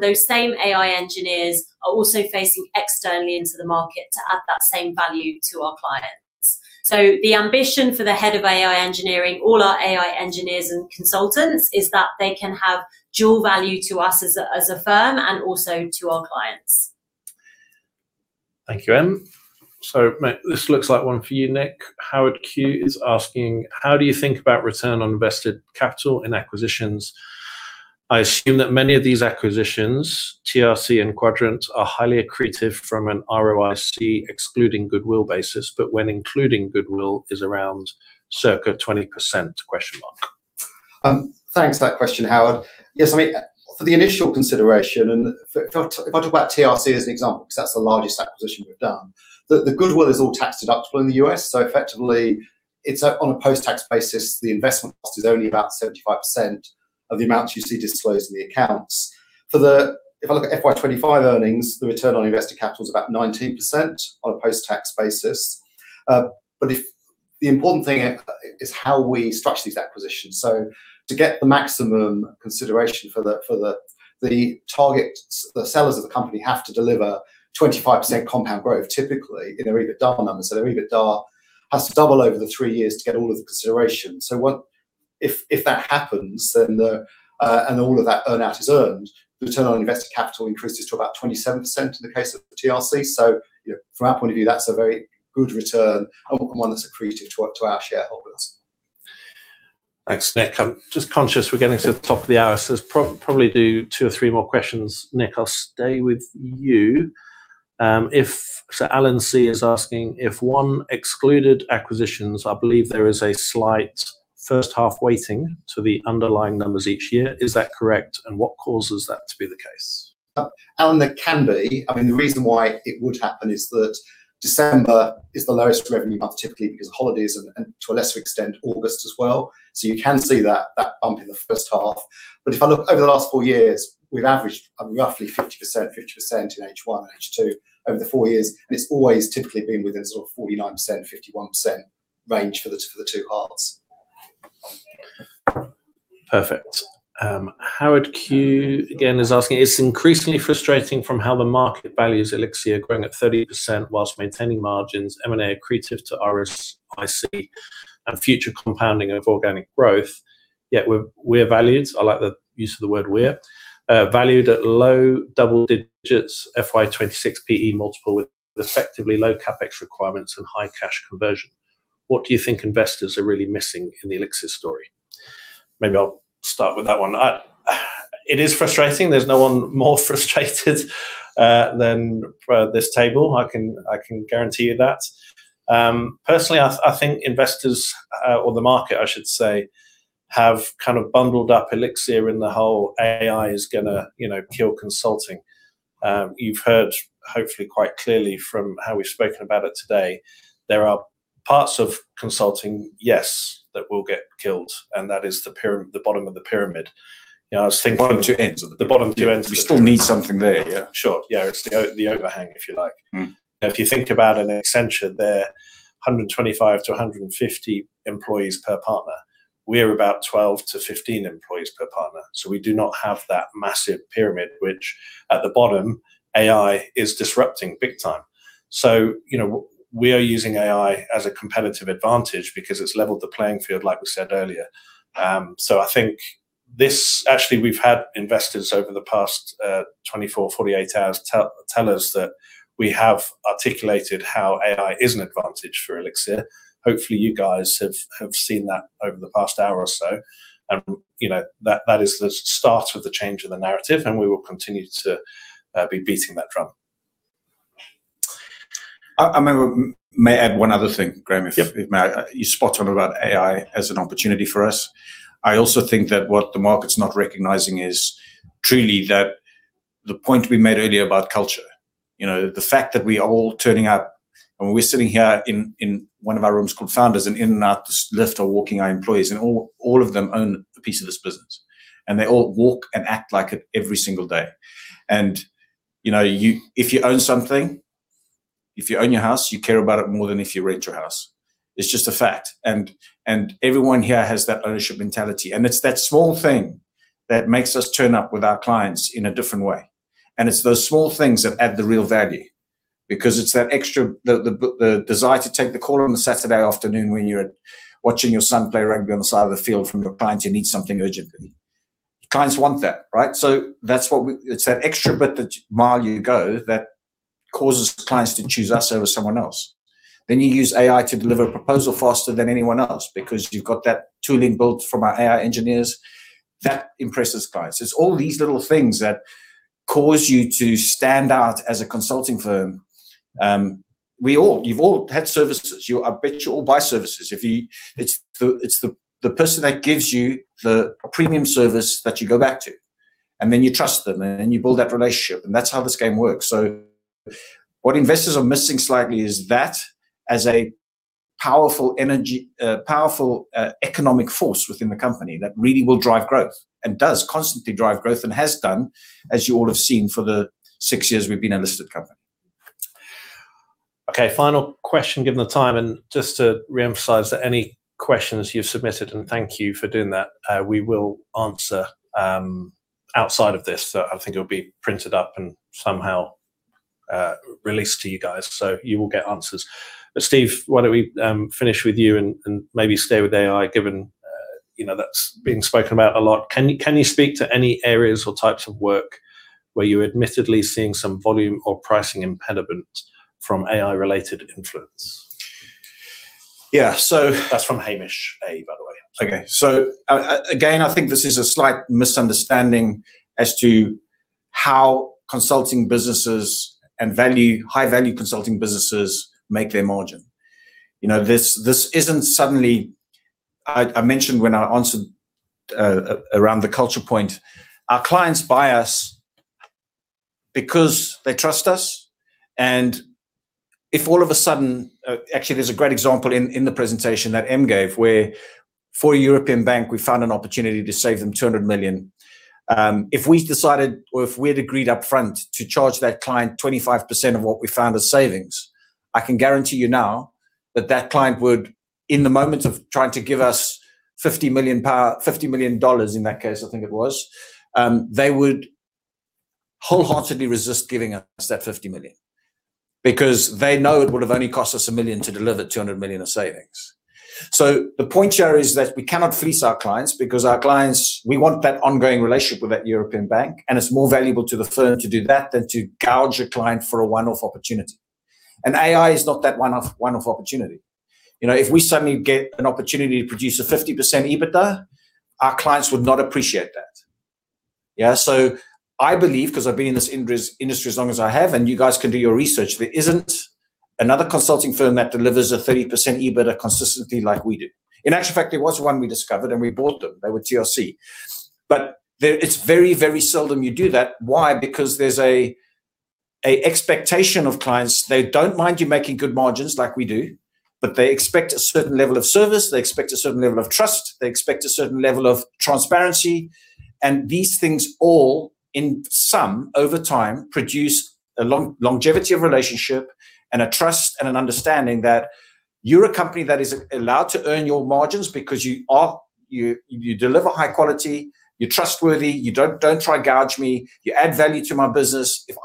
Those same AI engineers are also facing externally into the market to add that same value to our clients. The ambition for the Head of AI Engineering, all our AI engineers and consultants, is that they can have dual value to us as a firm and also to our clients. Thank you, Em. This looks like one for you, Nick. Howard Q. is asking, "How do you think about return on invested capital in acquisitions? I assume that many of these acquisitions, TRC and Kvadrant, are highly accretive from an ROIC excluding goodwill basis, but when including goodwill is around circa 20%? Thanks for that question, Howard. Yes, for the initial consideration, and if I talk about TRC as an example, because that's the largest acquisition we've done, the goodwill is all tax-deductible in the U.S. Effectively, it's on a post-tax basis, the investment cost is only about 75% of the amount you see disclosed in the accounts. If I look at FY 2025 earnings, the return on invested capital is about 19% on a post-tax basis. The important thing is how we structure these acquisitions. To get the maximum consideration for the target, the sellers of the company have to deliver 25% compound growth, typically in EBITDA numbers. The EBITDA has to double over the three years to get all of the consideration. If that happens, and all of that earn-out is earned, the return on invested capital increases to about 27% in the case of TRC. From our point of view, that's a very good return and one that's accretive to our shareholders. Thanks, Nick. I'm just conscious we're getting to the top of the hour, so let's probably do two or three more questions. Nick, I'll stay with you. Alan C. is asking, "If one excluded acquisitions, I believe there is a slight first half weighting to the underlying numbers each year. Is that correct? And what causes that to be the case? Alan, there can be. The reason why it would happen is that December is the lowest revenue month typically because of holidays and, to a lesser extent, August as well. You can see that bump in the first half. If I look over the last four years, we've averaged roughly 50%/50% in H1 and H2 over the four years. It's always typically been within sort of 49%/51% range for the two halves. Perfect. Howard Q. again is asking, "It's increasingly frustrating from how the market values Elixirr growing at 30% while maintaining margins, M&A accretive to ROIC and future compounding of organic growth, yet we're valued." I like the use of the word we're. "Valued at low double digits FY 2026 P/E multiple with effectively low CapEx requirements and high cash conversion. What do you think investors are really missing in the Elixirr story?" Maybe I'll start with that one. It is frustrating. There's no one more frustrated than this table. I can guarantee you that. Personally, I think investors or the market, I should say, have kind of bundled up Elixirr in the whole AI is going to kill consulting. You've heard, hopefully quite clearly from how we've spoken about it today, there are parts of consulting, yes, that will get killed, and that is the bottom of the pyramid. I was thinking. The bottom two ends. The bottom two ends. We still need something there, yeah. Sure. Yeah. It's the overhang, if you like. If you think about an Accenture, they're 125-150 employees per partner. We're about 12-15 employees per partner. We do not have that massive pyramid, which at the bottom, AI is disrupting big time. We are using AI as a competitive advantage because it's leveled the playing field, like we said earlier. I think this, actually, we've had investors over the past 24, 48 hours tell us that we have articulated how AI is an advantage for Elixirr. Hopefully, you guys have seen that over the past hour or so. That is the start of the change of the narrative, and we will continue to be beating that drum. I may add one other thing, Graham. If I may. You're spot on about AI as an opportunity for us. I also think that what the market's not recognizing is truly the point we made earlier about culture. The fact that we are all turning up and we're sitting here in one of our rooms called Founders, and in and out this lift are walking our employees, and all of them own a piece of this business. They all walk and act like it every single day. If you own something, if you own your house, you care about it more than if you rent your house. It's just a fact. Everyone here has that ownership mentality, and it's that small thing that makes us turn up with our clients in a different way. It's those small things that add the real value because it's that extra, the desire to take the call on a Saturday afternoon when you're watching your son play rugby on the side of the field from your client who needs something urgently. Clients want that, right? It's that extra bit, that mile you go that causes clients to choose us over someone else. You use AI to deliver a proposal faster than anyone else because you've got that tooling built from our AI engineers. That impresses clients. It's all these little things that cause you to stand out as a consulting firm. You've all had services. I bet you all buy services. It's the person that gives you the premium service that you go back to, and then you trust them, and then you build that relationship. That's how this game works. What investors are missing slightly is that as a powerful economic force within the company that really will drive growth and does constantly drive growth and has done, as you all have seen for the six years we've been a listed company. Okay, final question, given the time, and just to reemphasize that any questions you've submitted, and thank you for doing that, we will answer outside of this. I think it'll be printed up and somehow released to you guys, so you will get answers. Steve, why don't we finish with you and maybe stay with AI, given that's been spoken about a lot. Can you speak to any areas or types of work where you're admittedly seeing some volume or pricing impediment from AI-related influence? Yeah. That's from Hamish A., by the way. Okay. Again, I think this is a slight misunderstanding as to how consulting businesses and high-value consulting businesses make their margin. I mentioned when I answered around the culture point, our clients buy us because they trust us and if all of a sudden, actually, there's a great example in the presentation that Em gave, where for a European bank, we found an opportunity to save them 200 million. If we had agreed upfront to charge that client 25% of what we found as savings, I can guarantee you now that that client would, in the moment of trying to give us $50 million in that case, I think it was, they would wholeheartedly resist giving us that $50 million because they know it would've only cost us $1 million to deliver $200 million of savings. The point here is that we cannot fleece our clients because our clients, we want that ongoing relationship with that European bank, and it's more valuable to the firm to do that than to gouge a client for a one-off opportunity. AI is not that one-off opportunity. If we suddenly get an opportunity to produce a 50% EBITDA, our clients would not appreciate that. I believe, because I've been in this industry as long as I have, and you guys can do your research, there isn't another consulting firm that delivers a 30% EBITDA consistently like we do. In actual fact, there was one we discovered, and we bought them. They were TRC. It's very seldom you do that. Why? Because there's an expectation of clients. They don't mind you making good margins like we do, but they expect a certain level of service. They expect a certain level of trust. They expect a certain level of transparency. These things all, in sum, over time, produce a longevity of relationship and a trust and an understanding that you're a company that is allowed to earn your margins because you deliver high quality, you're trustworthy, you don't try to gouge me, you add value to my business. If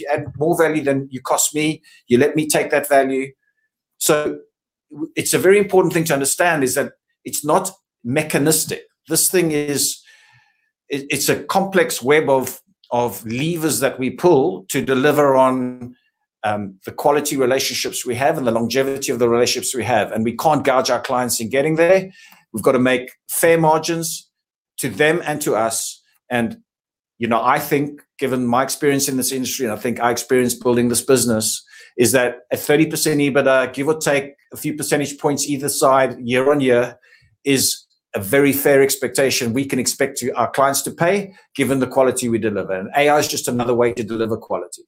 you add more value than you cost me, you let me take that value. It's a very important thing to understand is that it's not mechanistic. This thing is, it's a complex web of levers that we pull to deliver on the quality relationships we have and the longevity of the relationships we have, and we can't gouge our clients in getting there. We've got to make fair margins to them and to us. I think given my experience in this industry, and I think our experience building this business, is that a 30% EBITDA, give or take a few percentage points either side year-on-year, is a very fair expectation we can expect our clients to pay given the quality we deliver. AI is just another way to deliver quality.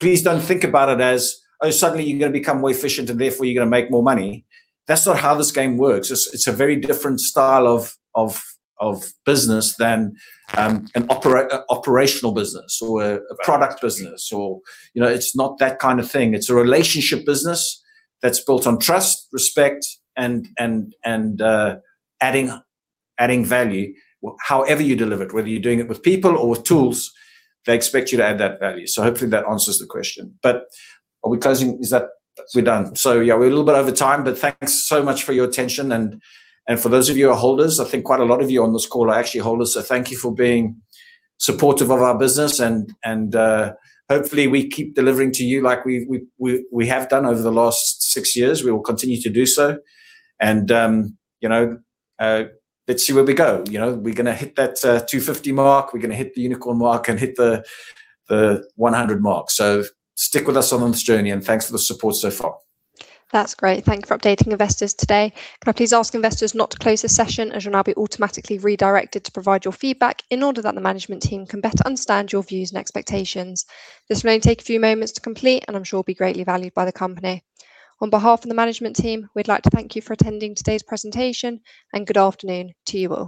Please don't think about it as, oh, suddenly you're going to become more efficient and therefore you're going to make more money. That's not how this game works. It's a very different style of business than an operational business or a product business. It's not that kind of thing. It's a relationship business that's built on trust, respect, and adding value. However you deliver it, whether you're doing it with people or with tools, they expect you to add that value. Hopefully that answers the question. Are we closing? Is that done? We're done. Yeah, we're a little bit over time, but thanks so much for your attention and for those of you who are holders, I think quite a lot of you on this call are actually holders, so thank you for being supportive of our business and hopefully we keep delivering to you like we have done over the last six years. We will continue to do so. Let's see where we go. We're going to hit that 250 mark. We're going to hit the unicorn mark and hit the 100 mark. Stick with us on this journey, and thanks for the support so far. That's great. Thank you for updating investors today. Can I please ask investors not to close this session, as you'll now be automatically redirected to provide your feedback in order that the management team can better understand your views and expectations. This will only take a few moments to complete and I'm sure will be greatly valued by the company. On behalf of the management team, we'd like to thank you for attending today's presentation, and good afternoon to you all.